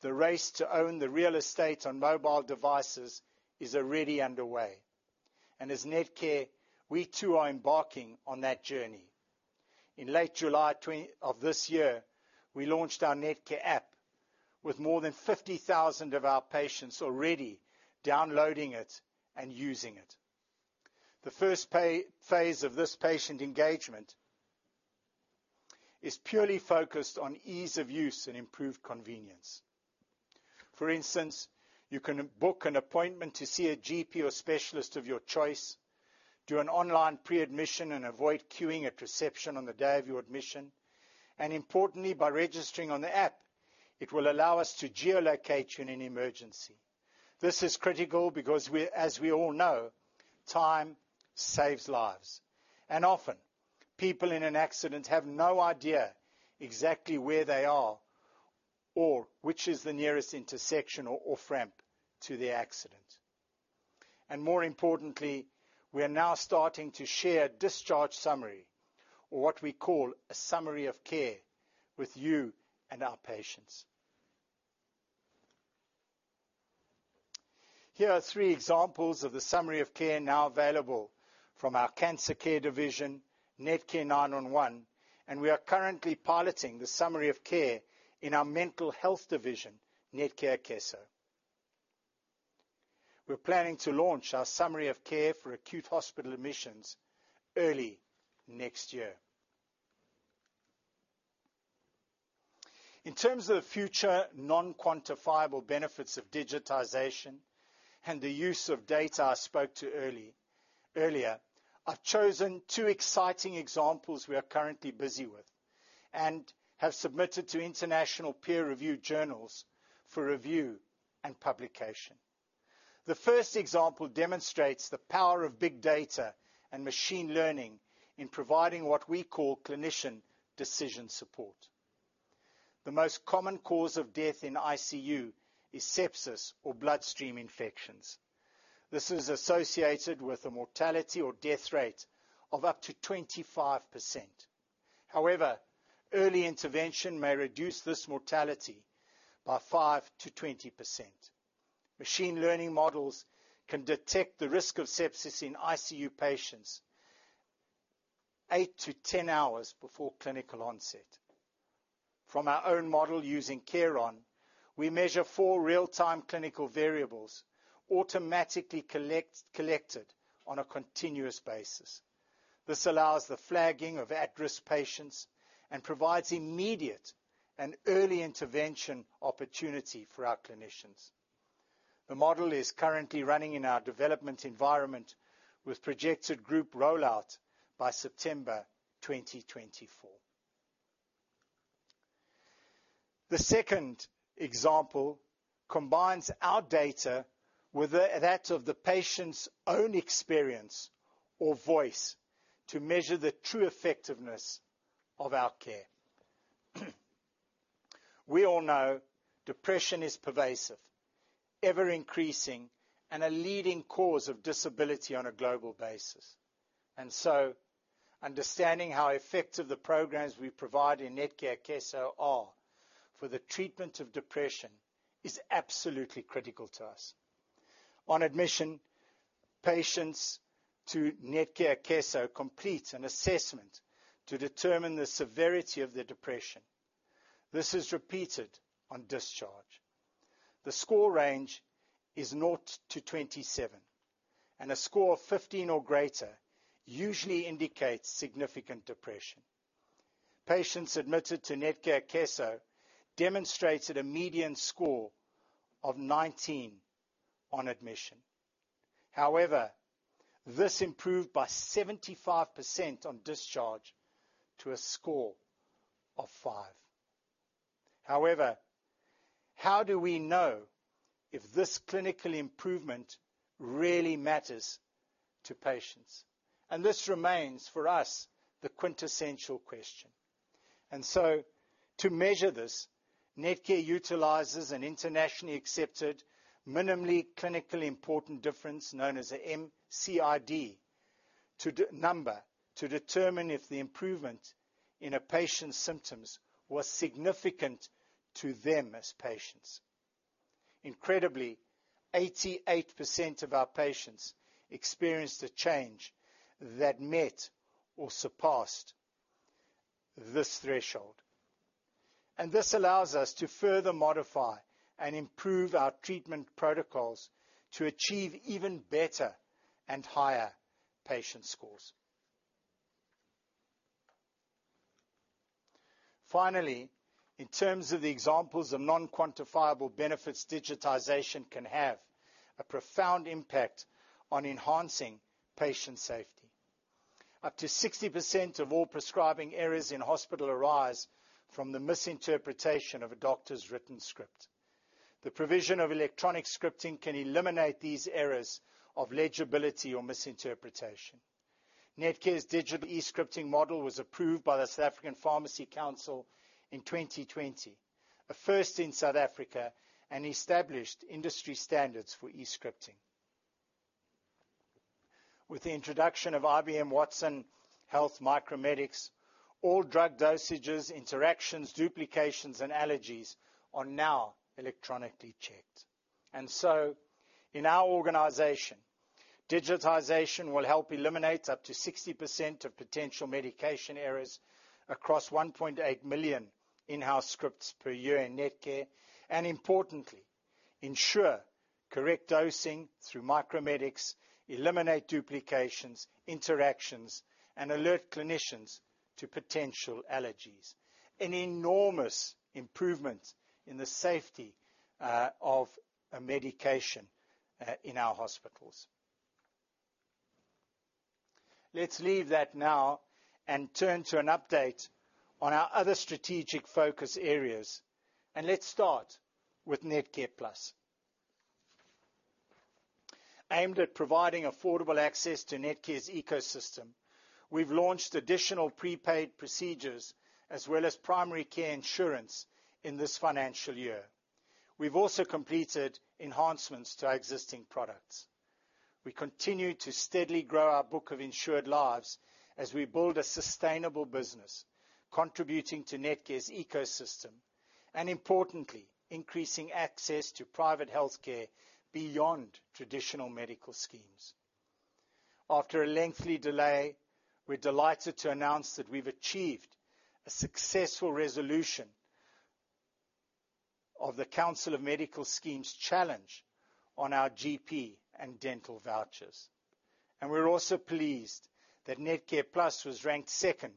the race to own the real estate on mobile devices is already underway. And as Netcare, we too are embarking on that journey. In late July twenty of this year, we launched our Netcare app with more than 50,000 of our patients already downloading it and using it. The first phase of this patient engagement is purely focused on ease of use and improved convenience. For instance, you can book an appointment to see a GP or specialist of your choice, do an online pre-admission, and avoid queuing at reception on the day of your admission. And importantly, by registering on the app, it will allow us to geolocate you in an emergency. This is critical because we, as we all know, time saves lives, and often, people in an accident have no idea exactly where they are or which is the nearest intersection or, off-ramp to the accident. And more importantly, we are now starting to share discharge summary, or what we call a summary of care, with you and our patients. Here are three examples of the summary of care now available from our cancer care division, Netcare 911, and we are currently piloting the summary of care in our mental health division, Netcare Akeso. We're planning to launch our summary of care for acute hospital admissions early next year. In terms of future non-quantifiable benefits of digitization and the use of data I spoke to early, earlier, I've chosen two exciting examples we are currently busy with and have submitted to international peer-review journals for review and publication. The first example demonstrates the power of big data and machine learning in providing what we call clinician decision support. The most common cause of death in ICU is sepsis or bloodstream infections. This is associated with a mortality or death rate of up to 25%. However, early intervention may reduce this mortality by 5%-20%. Machine learning models can detect the risk of sepsis in ICU patients 8-10 hours before clinical onset. From our own model using CareOn, we measure 4 real-time clinical variables, automatically collected on a continuous basis. This allows the flagging of at-risk patients and provides immediate and early intervention opportunity for our clinicians. The model is currently running in our development environment, with projected group rollout by September 2024. The second example combines our data with that of the patient's own experience or voice to measure the true effectiveness of our care. We all know depression is pervasive, ever-increasing, and a leading cause of disability on a global basis, and so understanding how effective the programs we provide in Netcare Akeso are for the treatment of depression is absolutely critical to us. On admission, patients to Netcare Akeso complete an assessment to determine the severity of their depression. This is repeated on discharge. The score range is 0 to 27, and a score of 15 or greater usually indicates significant depression. Patients admitted to Netcare Akeso demonstrated a median score of 19 on admission. However, this improved by 75% on discharge to a score of 5. However, how do we know if this clinical improvement really matters to patients? And this remains, for us, the quintessential question. To measure this, Netcare utilizes an internationally accepted minimally clinically important difference, known as a MCID, to determine if the improvement in a patient's symptoms was significant to them as patients. Incredibly, 88% of our patients experienced a change that met or surpassed this threshold, and this allows us to further modify and improve our treatment protocols to achieve even better and higher patient scores. Finally, in terms of the examples of non-quantifiable benefits, digitization can have a profound impact on enhancing patient safety. Up to 60% of all prescribing errors in hospital arise from the misinterpretation of a doctor's written script. The provision of electronic scripting can eliminate these errors of legibility or misinterpretation. Netcare's digital e-scripting model was approved by the South African Pharmacy Council in 2020, a first in South Africa, and established industry standards for e-scripting. With the introduction of IBM Watson Health Micromedex, all drug dosages, interactions, duplications, and allergies are now electronically checked. So, in our organization, digitization will help eliminate up to 60% of potential medication errors across 1.8 million in-house scripts per year in Netcare, and importantly ensure correct dosing through Micromedex, eliminate duplications, interactions, and alert clinicians to potential allergies, an enormous improvement in the safety of a medication in our hospitals. Let's leave that now and turn to an update on our other strategic focus areas, and let's start with NetcarePlus. Aimed at providing affordable access to Netcare's ecosystem, we've launched additional prepaid procedures as well as primary care insurance in this financial year. We've also completed enhancements to our existing products. We continue to steadily grow our book of insured lives as we build a sustainable business, contributing to Netcare's ecosystem and, importantly, increasing access to private healthcare beyond traditional medical schemes. After a lengthy delay, we're delighted to announce that we've achieved a successful resolution of the Council of Medical Schemes challenge on our GP and dental vouchers. We're also pleased that NetcarePlus was ranked second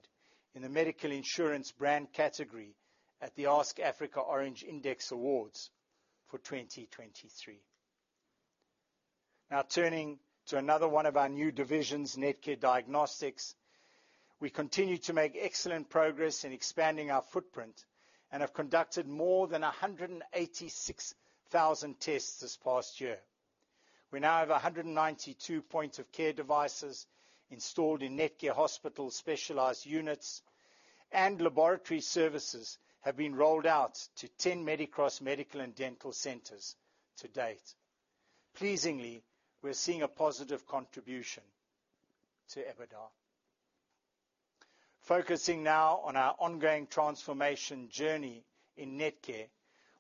in the medical insurance brand category at the AskAfrica Orange Index Awards for 2023. Now turning to another one of our new divisions, Netcare Diagnostics. We continue to make excellent progress in expanding our footprint and have conducted more than 186,000 tests this past year. We now have 192 points of care devices installed in Netcare Hospital specialized units, and laboratory services have been rolled out to 10 Medicross medical and dental centers to date. Pleasingly, we're seeing a positive contribution to EBITDA. Focusing now on our ongoing transformation journey in Netcare,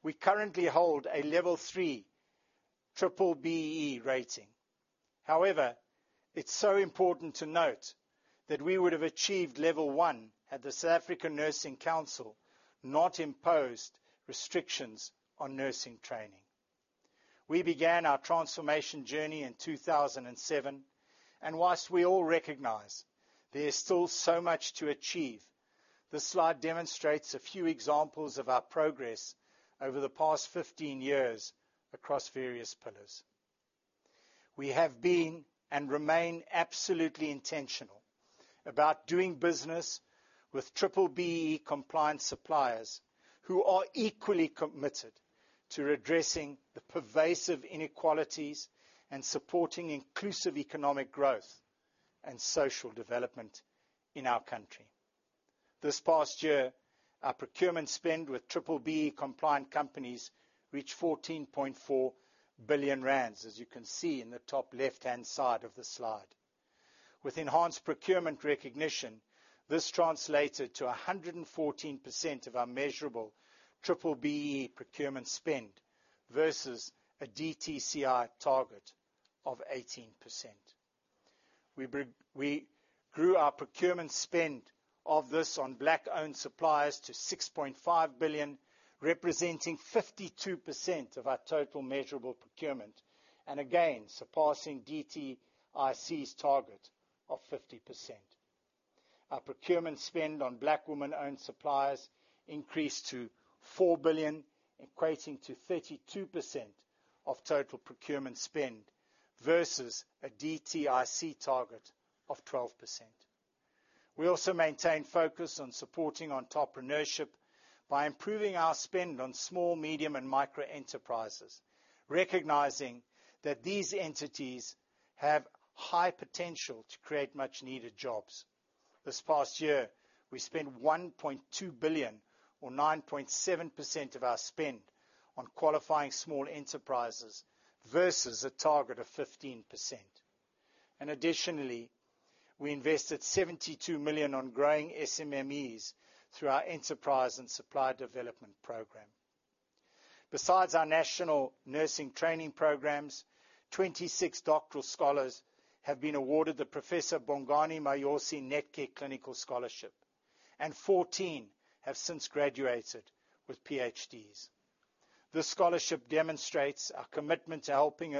we currently hold a level 3 B-BBEE rating. However, it's so important to note that we would have achieved level 1 had the South African Nursing Council not imposed restrictions on nursing training. We began our transformation journey in 2007, and while we all recognize there is still so much to achieve, this slide demonstrates a few examples of our progress over the past 15 years across various pillars. We have been, and remain, absolutely intentional about doing business with B-BBEE compliant suppliers, who are equally committed to redressing the pervasive inequalities and supporting inclusive economic growth and social development in our country. This past year, our procurement spend with triple B compliant companies reached 14.4 billion rand, as you can see in the top left-hand side of the slide. With enhanced procurement recognition, this translated to 114% of our measurable B-BBEE procurement spend versus a DTIC target of 18%. We grew our procurement spend on this on Black-owned suppliers to 6.5 billion, representing 52% of our total measurable procurement, and again, surpassing DTIC's target of 50%. Our procurement spend on Black women-owned suppliers increased to 4 billion, equating to 32% of total procurement spend versus a DTIC target of 12%. We also maintained focus on supporting entrepreneurship by improving our spend on small, medium, and micro enterprises, recognizing that these entities have high potential to create much-needed jobs. This past year, we spent 1.2 billion, or 9.7% of our spend, on qualifying small enterprises versus a target of 15%. Additionally, we invested 72 million on growing SMMEs through our enterprise and supply development program. Besides our national nursing training programs, 26 doctoral scholars have been awarded the Professor Bongani Mayosi Netcare Clinical Scholarship, and 14 have since graduated with PhDs. This scholarship demonstrates our commitment to helping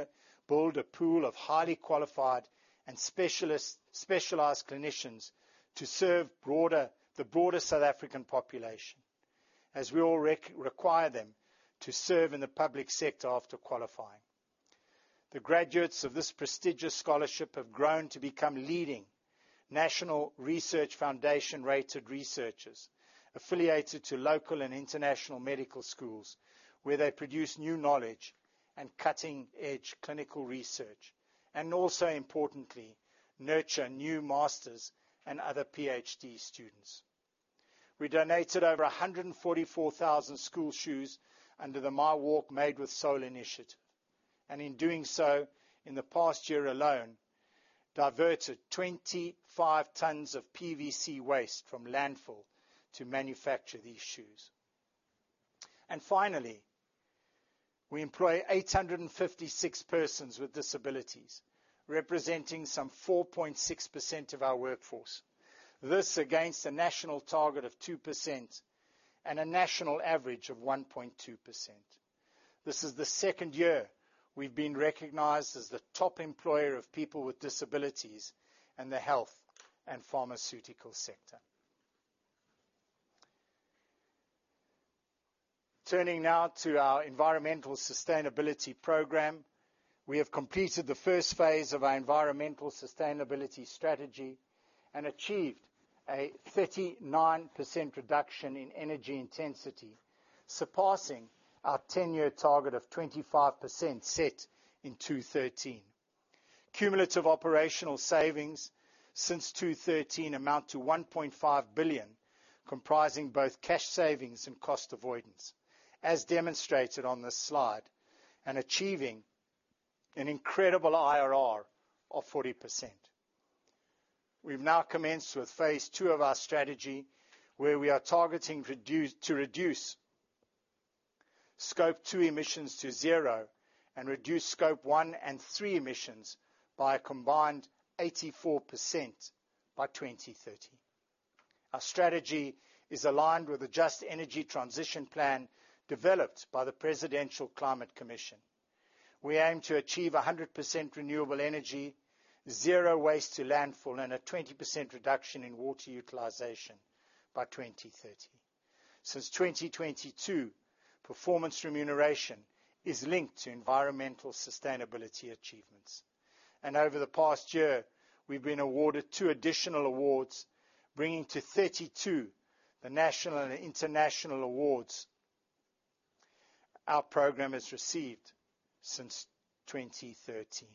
build a pool of highly qualified and specialized clinicians to serve the broader South African population, as we all require them to serve in the public sector after qualifying. The graduates of this prestigious scholarship have grown to become leading National Research Foundation-rated researchers, affiliated to local and international medical schools, where they produce new knowledge and cutting-edge clinical research, and also, importantly, nurture new master's and other PhD students. We donated over 144,000 school shoes under the My Walk Made with Soul initiative, and in doing so, in the past year alone, diverted 25 tons of PVC waste from landfill to manufacture these shoes. And finally, we employ 856 persons with disabilities representing some 4.6% of our workforce. This against a national target of 2% and a national average of 1.2%. This is the second year we've been recognized as the top employer of people with disabilities in the health and pharmaceutical sector. Turning now to our environmental sustainability program, we have completed the first phase of our environmental sustainability strategy and achieved a 39% reduction in energy intensity, surpassing our ten-year target of 25% set in 2013. Cumulative operational savings since 2013 amount to 1.5 billion, comprising both cash savings and cost avoidance, as demonstrated on this slide, and achieving an incredible IRR of 40%. We've now commenced with phase two of our strategy, where we are targeting to reduce scope two emissions to zero and reduce scope one and three emissions by a combined 84% by 2030. Our strategy is aligned with a just energy transition plan developed by the Presidential Climate Commission. We aim to achieve 100% renewable energy, zero waste to landfill, and a 20% reduction in water utilization by 2030. Since 2022, performance remuneration is linked to environmental sustainability achievements, and over the past year, we've been awarded two additional awards, bringing to 32 the national and international awards our program has received since 2013.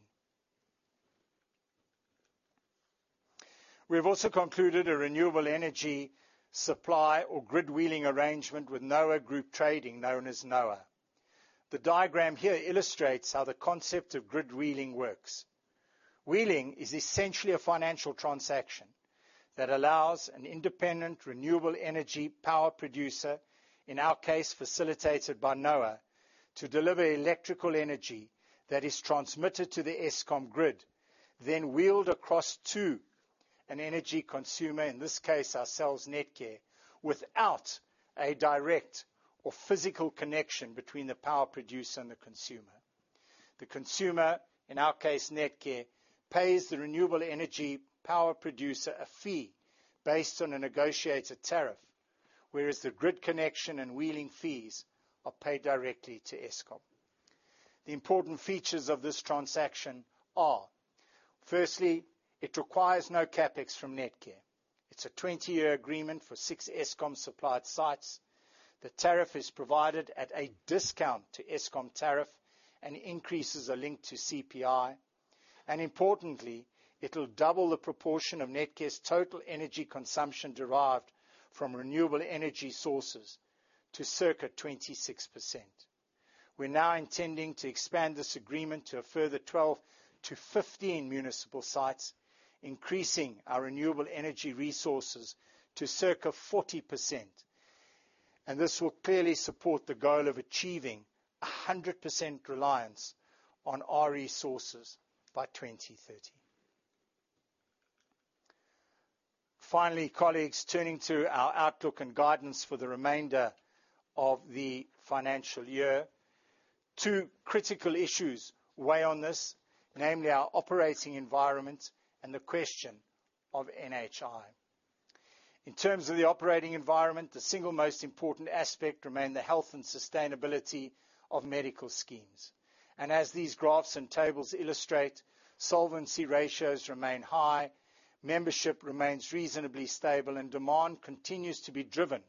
We have also concluded a renewable energy supply or grid wheeling arrangement with NOA Group Trading, known as NOA. The diagram here illustrates how the concept of grid wheeling works. Wheeling is essentially a financial transaction that allows an independent, renewable energy power producer, in our case, facilitated by NOA, to deliver electrical energy that is transmitted to the Eskom grid, then wheeled across to an energy consumer, in this case, ourselves, Netcare, without a direct or physical connection between the power producer and the consumer. The consumer, in our case, Netcare, pays the renewable energy power producer a fee based on a negotiated tariff, whereas the grid connection and wheeling fees are paid directly to Eskom. The important features of this transaction are: firstly, it requires no CapEx from Netcare. It's a 20-year agreement for 6 Eskom-supplied sites. The tariff is provided at a discount to Eskom tariff and increases a link to CPI. And importantly, it'll double the proportion of Netcare's total energy consumption derived from renewable energy sources to circa 26%. We're now intending to expand this agreement to a further 12-15 municipal sites, increasing our renewable energy resources to circa 40%, and this will clearly support the goal of achieving 100% reliance on our resources by 2030. Finally, colleagues, turning to our outlook and guidance for the remainder of the financial year. Two critical issues weigh on this, namely, our operating environment and the question of NHI. In terms of the operating environment, the single most important aspect remain the health and sustainability of medical schemes. As these graphs and tables illustrate, solvency ratios remain high, membership remains reasonably stable, and demand continues to be driven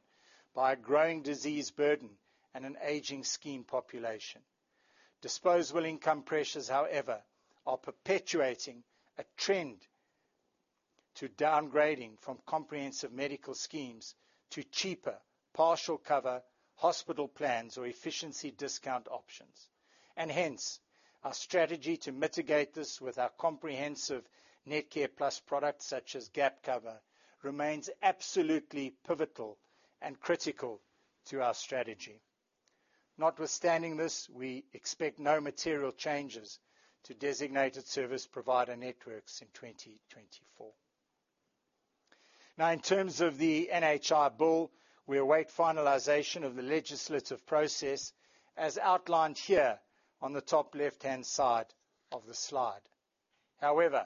by a growing disease burden and an aging scheme population. Disposable income pressures, however, are perpetuating a trend to downgrading from comprehensive medical schemes to cheaper partial cover hospital plans or efficiency discount options. Hence, our strategy to mitigate this with our comprehensive NetcarePlus products, such as gap cover, remains absolutely pivotal and critical to our strategy. Notwithstanding this, we expect no material changes to designated service provider networks in 2024. Now, in terms of the NHI bill, we await finalization of the legislative process, as outlined here on the top left-hand side of the slide. However,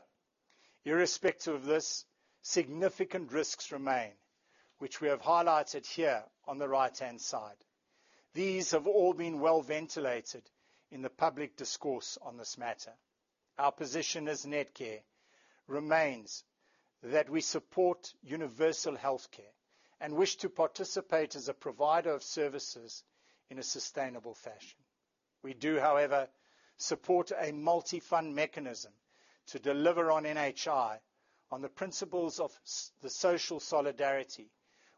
irrespective of this, significant risks remain, which we have highlighted here on the right-hand side. These have all been well-ventilated in the public discourse on this matter. Our position as Netcare remains that we support universal healthcare and wish to participate as a provider of services in a sustainable fashion. We do, however, support a multi-fund mechanism to deliver on NHI on the principles of the social solidarity,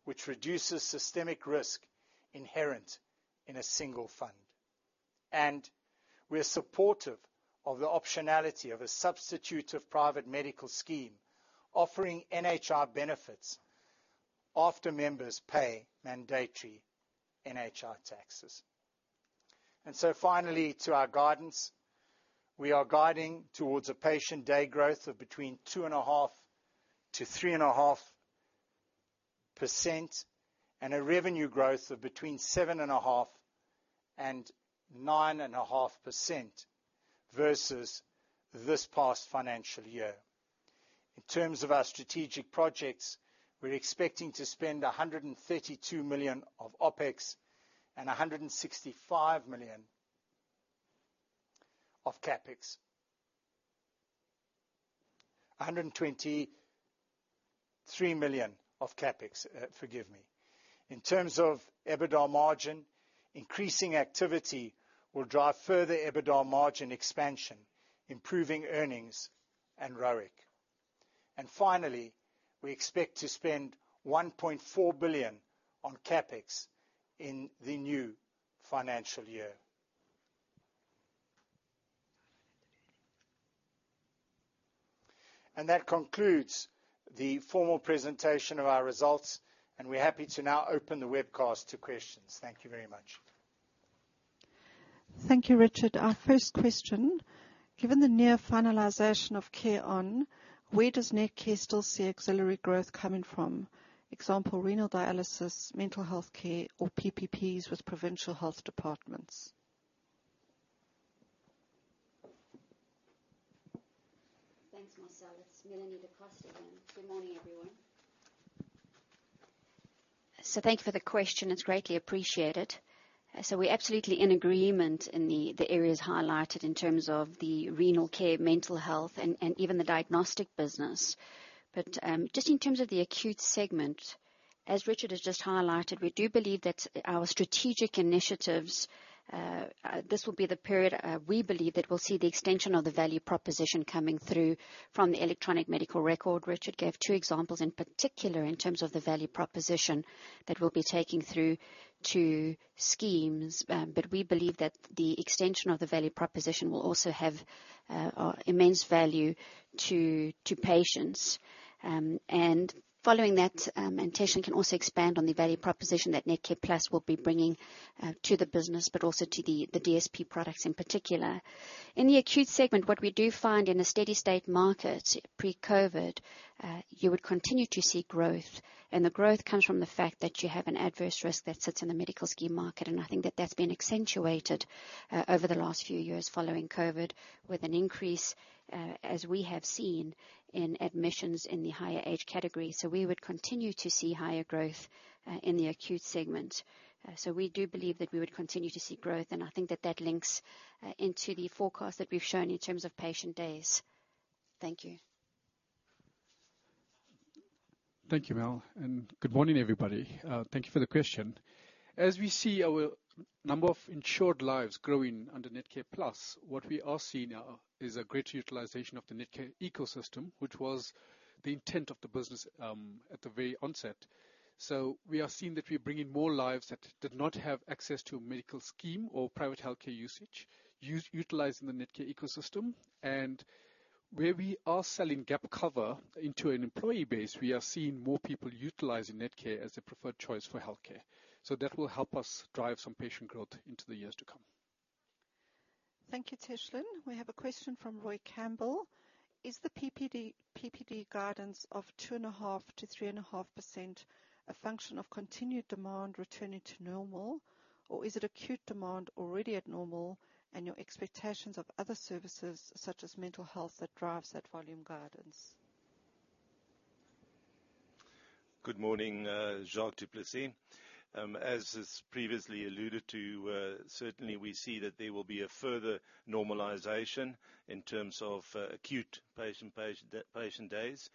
which reduces systemic risk inherent in a single fund. We are supportive of the optionality of a substitute of private medical scheme, offering NHI benefits after members pay mandatory NHI taxes. Finally, to our guidance, we are guiding towards a patient day growth of between 2.5%-3.5%, and a revenue growth of between 7.5%-9.5%, versus this past financial year. In terms of our strategic projects, we're expecting to spend 132 million of OpEx and 165 million of CapEx. 123 million of CapEx, forgive me. In terms of EBITDA margin, increasing activity will drive further EBITDA margin expansion, improving earnings and ROIC. Finally, we expect to spend 1.4 billion on CapEx in the new financial year. That concludes the formal presentation of our results, and we're happy to now open the webcast to questions. Thank you very much. Thank you, Richard. Our first question: Given the near finalization of CareOn, where does Netcare still see auxiliary growth coming from? Example, renal dialysis, mental health care, or PPPs with provincial health departments. Thanks, Marcella. It's Melanie da Costa again. Good morning, everyone. So thank you for the question. It's greatly appreciated. So we're absolutely in agreement in the, the areas highlighted in terms of the renal care, mental health, and, and even the diagnostic business. But just in terms of the acute segment, as Richard has just highlighted, we do believe that our strategic initiatives, this will be the period, we believe that we'll see the extension of the value proposition coming through from the electronic medical record. Richard gave two examples, in particular, in terms of the value proposition that we'll be taking through to schemes. But we believe that the extension of the value proposition will also have, immense value to, to patients. And following that, and Teshlin can also expand on the value proposition that NetcarePlus will be bringing, to the business, but also to the DSP products in particular. In the acute segment, what we do find in a steady state market, pre-COVID, you would continue to see growth, and the growth comes from the fact that you have an adverse risk that sits in the medical scheme market. And I think that that's been accentuated, over the last few years following COVID, with an increase, as we have seen in admissions in the higher age category. So we would continue to see higher growth, in the acute segment. So we do believe that we would continue to see growth, and I think that that links into the forecast that we've shown in terms of patient days. Thank you. Thank you, Mel, and good morning, everybody. Thank you for the question. As we see our number of insured lives growing under NetcarePlus, what we are seeing now is a greater utilization of the Netcare ecosystem, which was the intent of the business, at the very onset. So we are seeing that we are bringing more lives that did not have access to a medical scheme or private healthcare utilizing the Netcare ecosystem. And where we are selling gap cover into an employee base, we are seeing more people utilizing Netcare as their preferred choice for healthcare. So that will help us drive some patient growth into the years to come. Thank you, Teshlin. We have a question from Roy Campbell. Is the PPD, PPD guidance of 2.5% to 3.5% a function of continued demand returning to normal, or is it acute demand already at normal, and your expectations of other services, such as mental health, that drives that volume guidance? Good morning, Jacques du Plessis. As is previously alluded to, certainly, we see that there will be a further normalization in terms of acute patient days.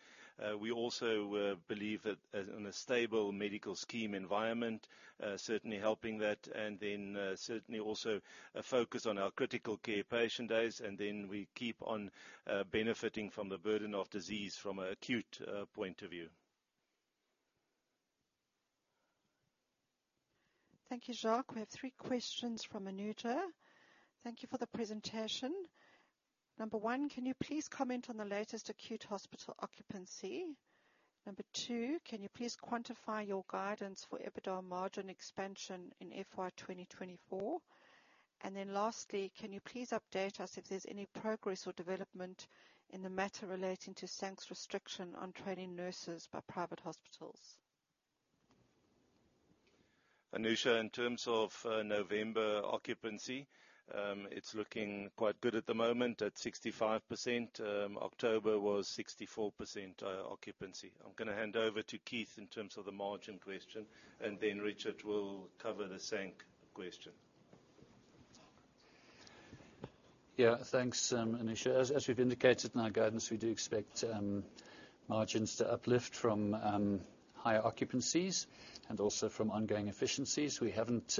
We also believe that on a stable medical scheme environment, certainly helping that, and then certainly also a focus on our critical care patient days, and then we keep on benefiting from the burden of disease from an acute point of view. Thank you, Jacques. We have three questions from Anusha. Thank you for the presentation. Number one, can you please comment on the latest acute hospital occupancy? Number two, can you please quantify your guidance for EBITDA margin expansion in FY 2024? And then lastly, can you please update us if there's any progress or development in the matter relating to SANC's restriction on training nurses by private hospitals? Anusha, in terms of November occupancy, it's looking quite good at the moment, at 65%. October was 64% occupancy. I'm gonna hand over to Keith in terms of the margin question, and then Richard will cover the SANC question. Yeah. Thanks, Anusha. As we've indicated in our guidance, we do expect margins to uplift from higher occupancies and also from ongoing efficiencies. We haven't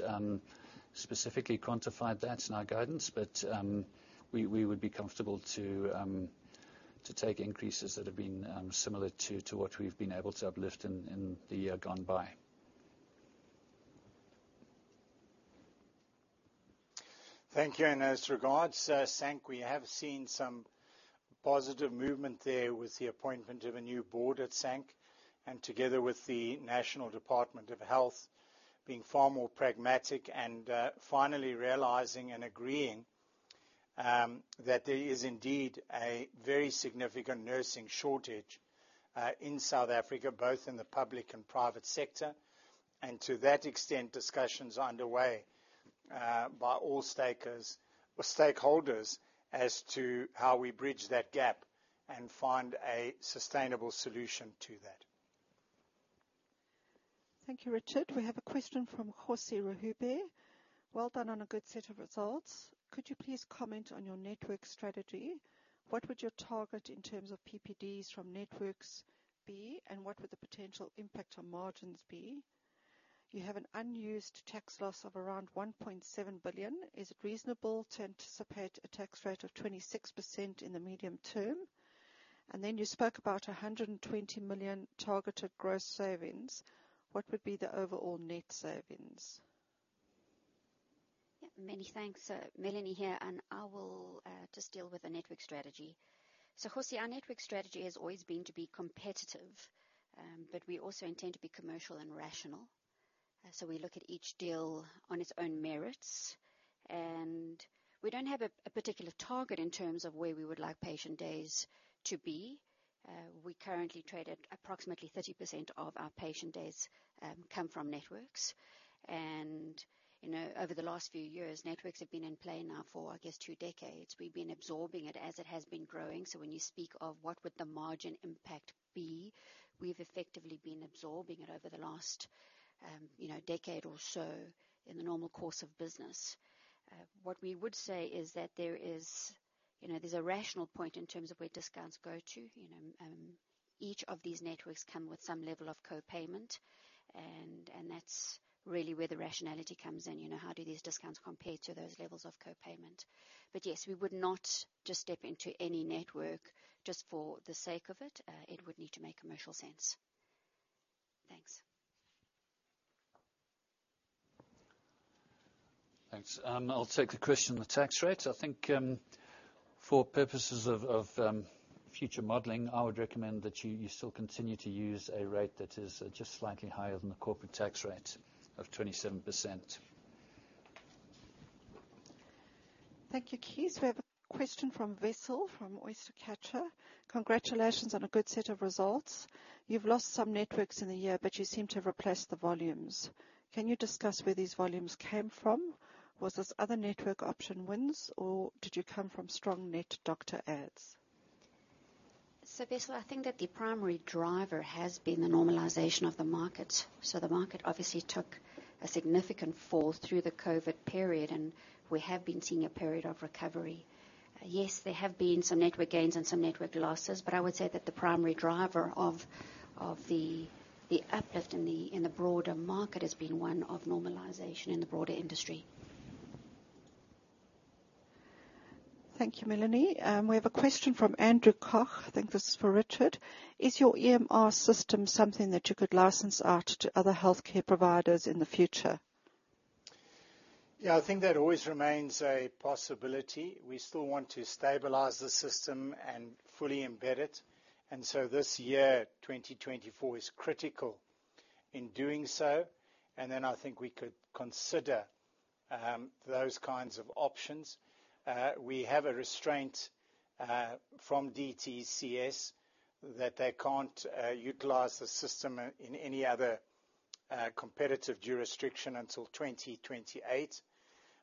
specifically quantified that in our guidance, but we would be comfortable to take increases that have been similar to what we've been able to uplift in the year gone by. Thank you. In those regards, SANC, we have seen some positive movement there with the appointment of a new board at SANC, and together with the National Department of Health being far more pragmatic and finally realizing and agreeing that there is indeed a very significant nursing shortage in South Africa, both in the public and private sector. And to that extent, discussions are underway by all stakeholders as to how we bridge that gap and find a sustainable solution to that. Thank you, Richard. We have a question from Jose Rahube. Well done on a good set of results. Could you please comment on your network strategy? What would your target in terms of PPDs from networks be, and what would the potential impact on margins be? You have an unused tax loss of around 1.7 billion. Is it reasonable to anticipate a tax rate of 26% in the medium term? And then you spoke about 120 million targeted gross savings. What would be the overall net savings? Yeah, many thanks. Melanie here, and I will just deal with the network strategy. So, Jose, our network strategy has always been to be competitive, but we also intend to be commercial and rational. So we look at each deal on its own merits, and we don't have a particular target in terms of where we would like patient days to be. We currently trade at approximately 30% of our patient days come from networks. And, you know, over the last few years, networks have been in play now for, I guess, two decades. We've been absorbing it as it has been growing. So when you speak of what would the margin impact be, we've effectively been absorbing it over the last, you know, decade or so in the normal course of business. What we would say is that there is, you know, there's a rational point in terms of where discounts go to. You know, each of these networks come with some level of co-payment, and, and that's really where the rationality comes in. You know, how do these discounts compare to those levels of co-payment? But yes, we would not just step into any network just for the sake of it. It would need to make commercial sense. Thanks. Thanks. I'll take the question on the tax rate. I think, for purposes of future modeling, I would recommend that you still continue to use a rate that is just slightly higher than the corporate tax rate of 27%. Thank you, Keith. We have a question from Wessel, from Oyster Catcher. Congratulations on a good set of results. You've lost some networks in the year, but you seem to have replaced the volumes. Can you discuss where these volumes came from? Was this other network option wins, or did you come from strong net doctor adds? So, Wessel, I think that the primary driver has been the normalization of the market. So the market obviously took a significant fall through the COVID period, and we have been seeing a period of recovery. Yes, there have been some network gains and some network losses, but I would say that the primary driver of the uplift in the broader market has been one of normalization in the broader industry. Thank you, Melanie. We have a question from Andrew Koch. I think this is for Richard. Is your EMR system something that you could license out to other healthcare providers in the future? Yeah, I think that always remains a possibility. We still want to stabilize the system and fully embed it, and so this year, 2024, is critical in doing so, and then I think we could consider those kinds of options. We have a restraint from DTCS, that they can't utilize the system in any other competitive jurisdiction until 2028.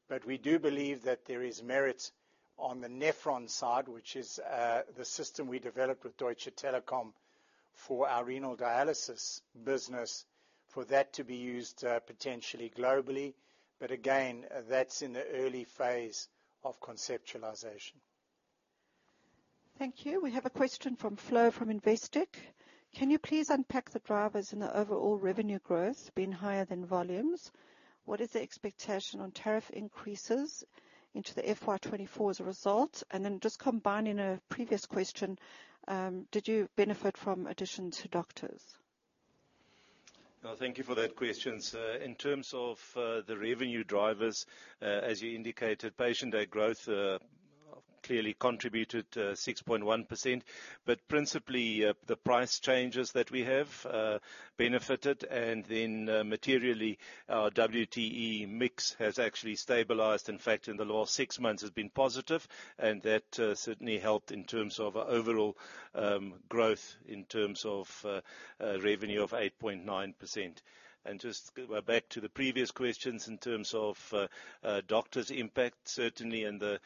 But we do believe that there is merit on the NephrOn side, which is the system we developed with Deutsche Telekom for our renal dialysis business, for that to be used potentially globally. But again, that's in the early phase of conceptualization. Thank you. We have a question from Flo, from Investec. Can you please unpack the drivers in the overall revenue growth being higher than volumes? What is the expectation on tariff increases into the FY 2024 as a result? And then just combining a previous question, did you benefit from addition to doctors? Thank you for that question. In terms of the revenue drivers, as you indicated, patient day growth clearly contributed 6.1%, but principally the price changes that we have benefited. And then materially, our WTE mix has actually stabilized. In fact, in the last six months, it's been positive, and that certainly helped in terms of overall growth in terms of revenue of 8.9%. And just back to the previous questions, in terms of doctors' impact, certainly in the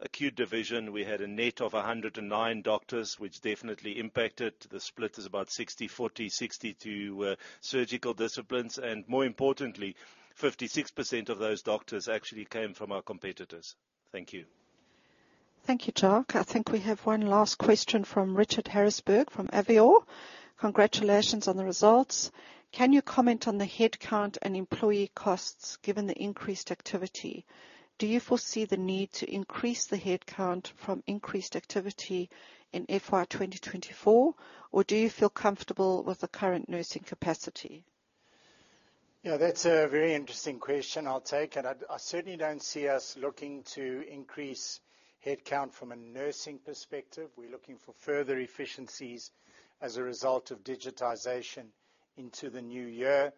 acute division, we had a net of 109 doctors, which definitely impacted. The split is about 60/40, 60 to surgical disciplines, and more importantly, 56% of those doctors actually came from our competitors. Thank you. Thank you, Jacques. I think we have one last question from Richard Sobel, from Avior. Congratulations on the results. Can you comment on the headcount and employee costs, given the increased activity? Do you foresee the need to increase the headcount from increased activity in FY 2024, or do you feel comfortable with the current nursing capacity? Yeah, that's a very interesting question I'll take, and I certainly don't see us looking to increase headcount from a nursing perspective. We're looking for further efficiencies as a result of digitization into the new year.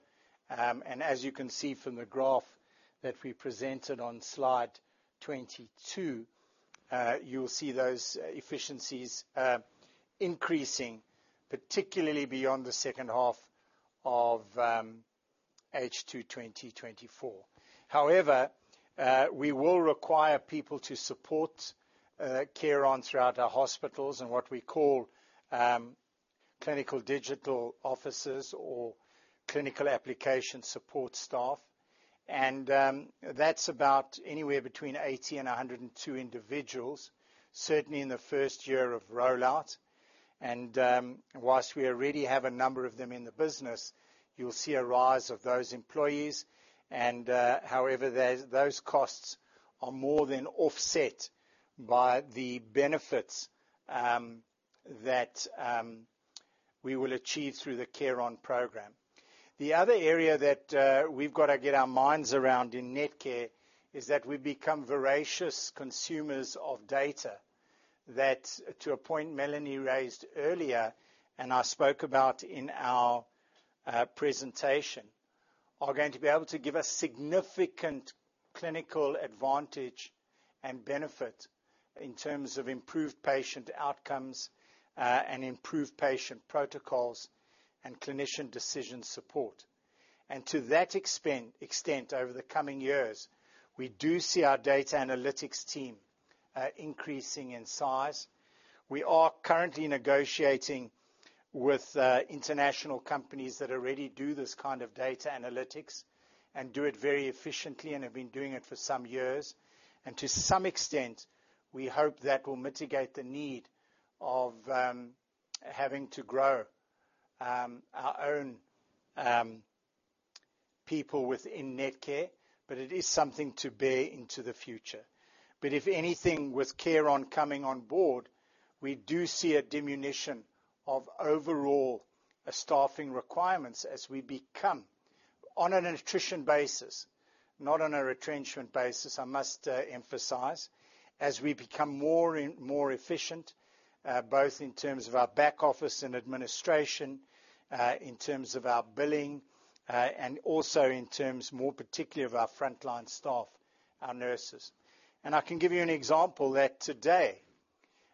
And as you can see from the graph that we presented on slide 22, you'll see those efficiencies increasing, particularly beyond the second half of H2 2024. However, we will require people to support CareOn throughout our hospitals and what we call clinical digital officers or clinical application support staff. And that's about anywhere between 80 and 102 individuals, certainly in the first year of rollout. And while we already have a number of them in the business, you'll see a rise of those employees, and, However, those costs are more than offset by the benefits that we will achieve through the CareOn program. The other area that we've got to get our minds around in Netcare is that we've become voracious consumers of data, that, to a point Melanie raised earlier, and I spoke about in our presentation, are going to be able to give us significant clinical advantage and benefit in terms of improved patient outcomes and improved patient protocols and clinician decision support. And to that extent, over the coming years, we do see our data analytics team increasing in size. We are currently negotiating with international companies that already do this kind of data analytics and do it very efficiently and have been doing it for some years. To some extent, we hope that will mitigate the need of having to grow our own people within Netcare, but it is something to bear into the future. But if anything, with CareOn coming on board, we do see a diminution of overall staffing requirements as we become, on an attrition basis, not on a retrenchment basis, I must emphasize, as we become more and more efficient, both in terms of our back office and administration, in terms of our billing, and also in terms more particularly of our frontline staff, our nurses. And I can give you an example that today,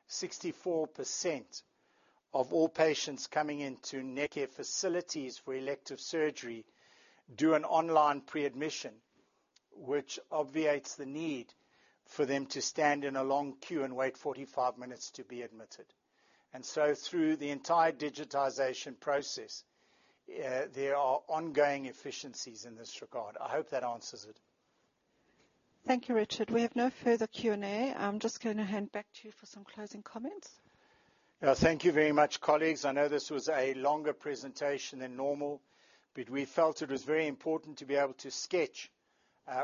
64% of all patients coming into Netcare facilities for elective surgery do an online pre-admission, which obviates the need for them to stand in a long queue and wait 45 minutes to be admitted. And so through the entire digitization process, there are ongoing efficiencies in this regard. I hope that answers it. Thank you, Richard. We have no further Q&A. I'm just gonna hand back to you for some closing comments. Yeah, thank you very much, colleagues. I know this was a longer presentation than normal, but we felt it was very important to be able to sketch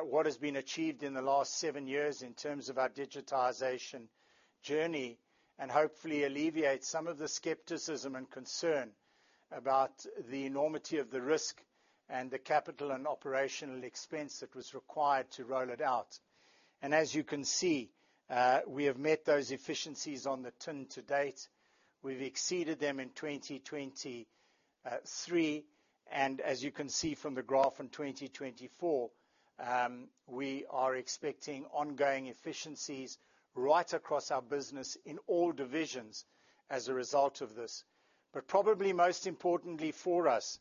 what has been achieved in the last seven years in terms of our digitization journey and hopefully alleviate some of the skepticism and concern about the enormity of the risk and the capital and operational expense that was required to roll it out. And as you can see, we have met those efficiencies on the tin to date. We've exceeded them in 2023, and as you can see from the graph in 2024, we are expecting ongoing efficiencies right across our business in all divisions as a result of this. But probably most importantly for us,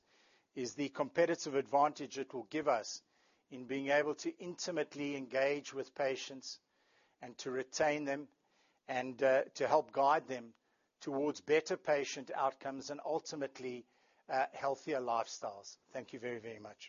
is the competitive advantage it will give us in being able to intimately engage with patients and to retain them, and to help guide them towards better patient outcomes and ultimately, healthier lifestyles. Thank you very, very much.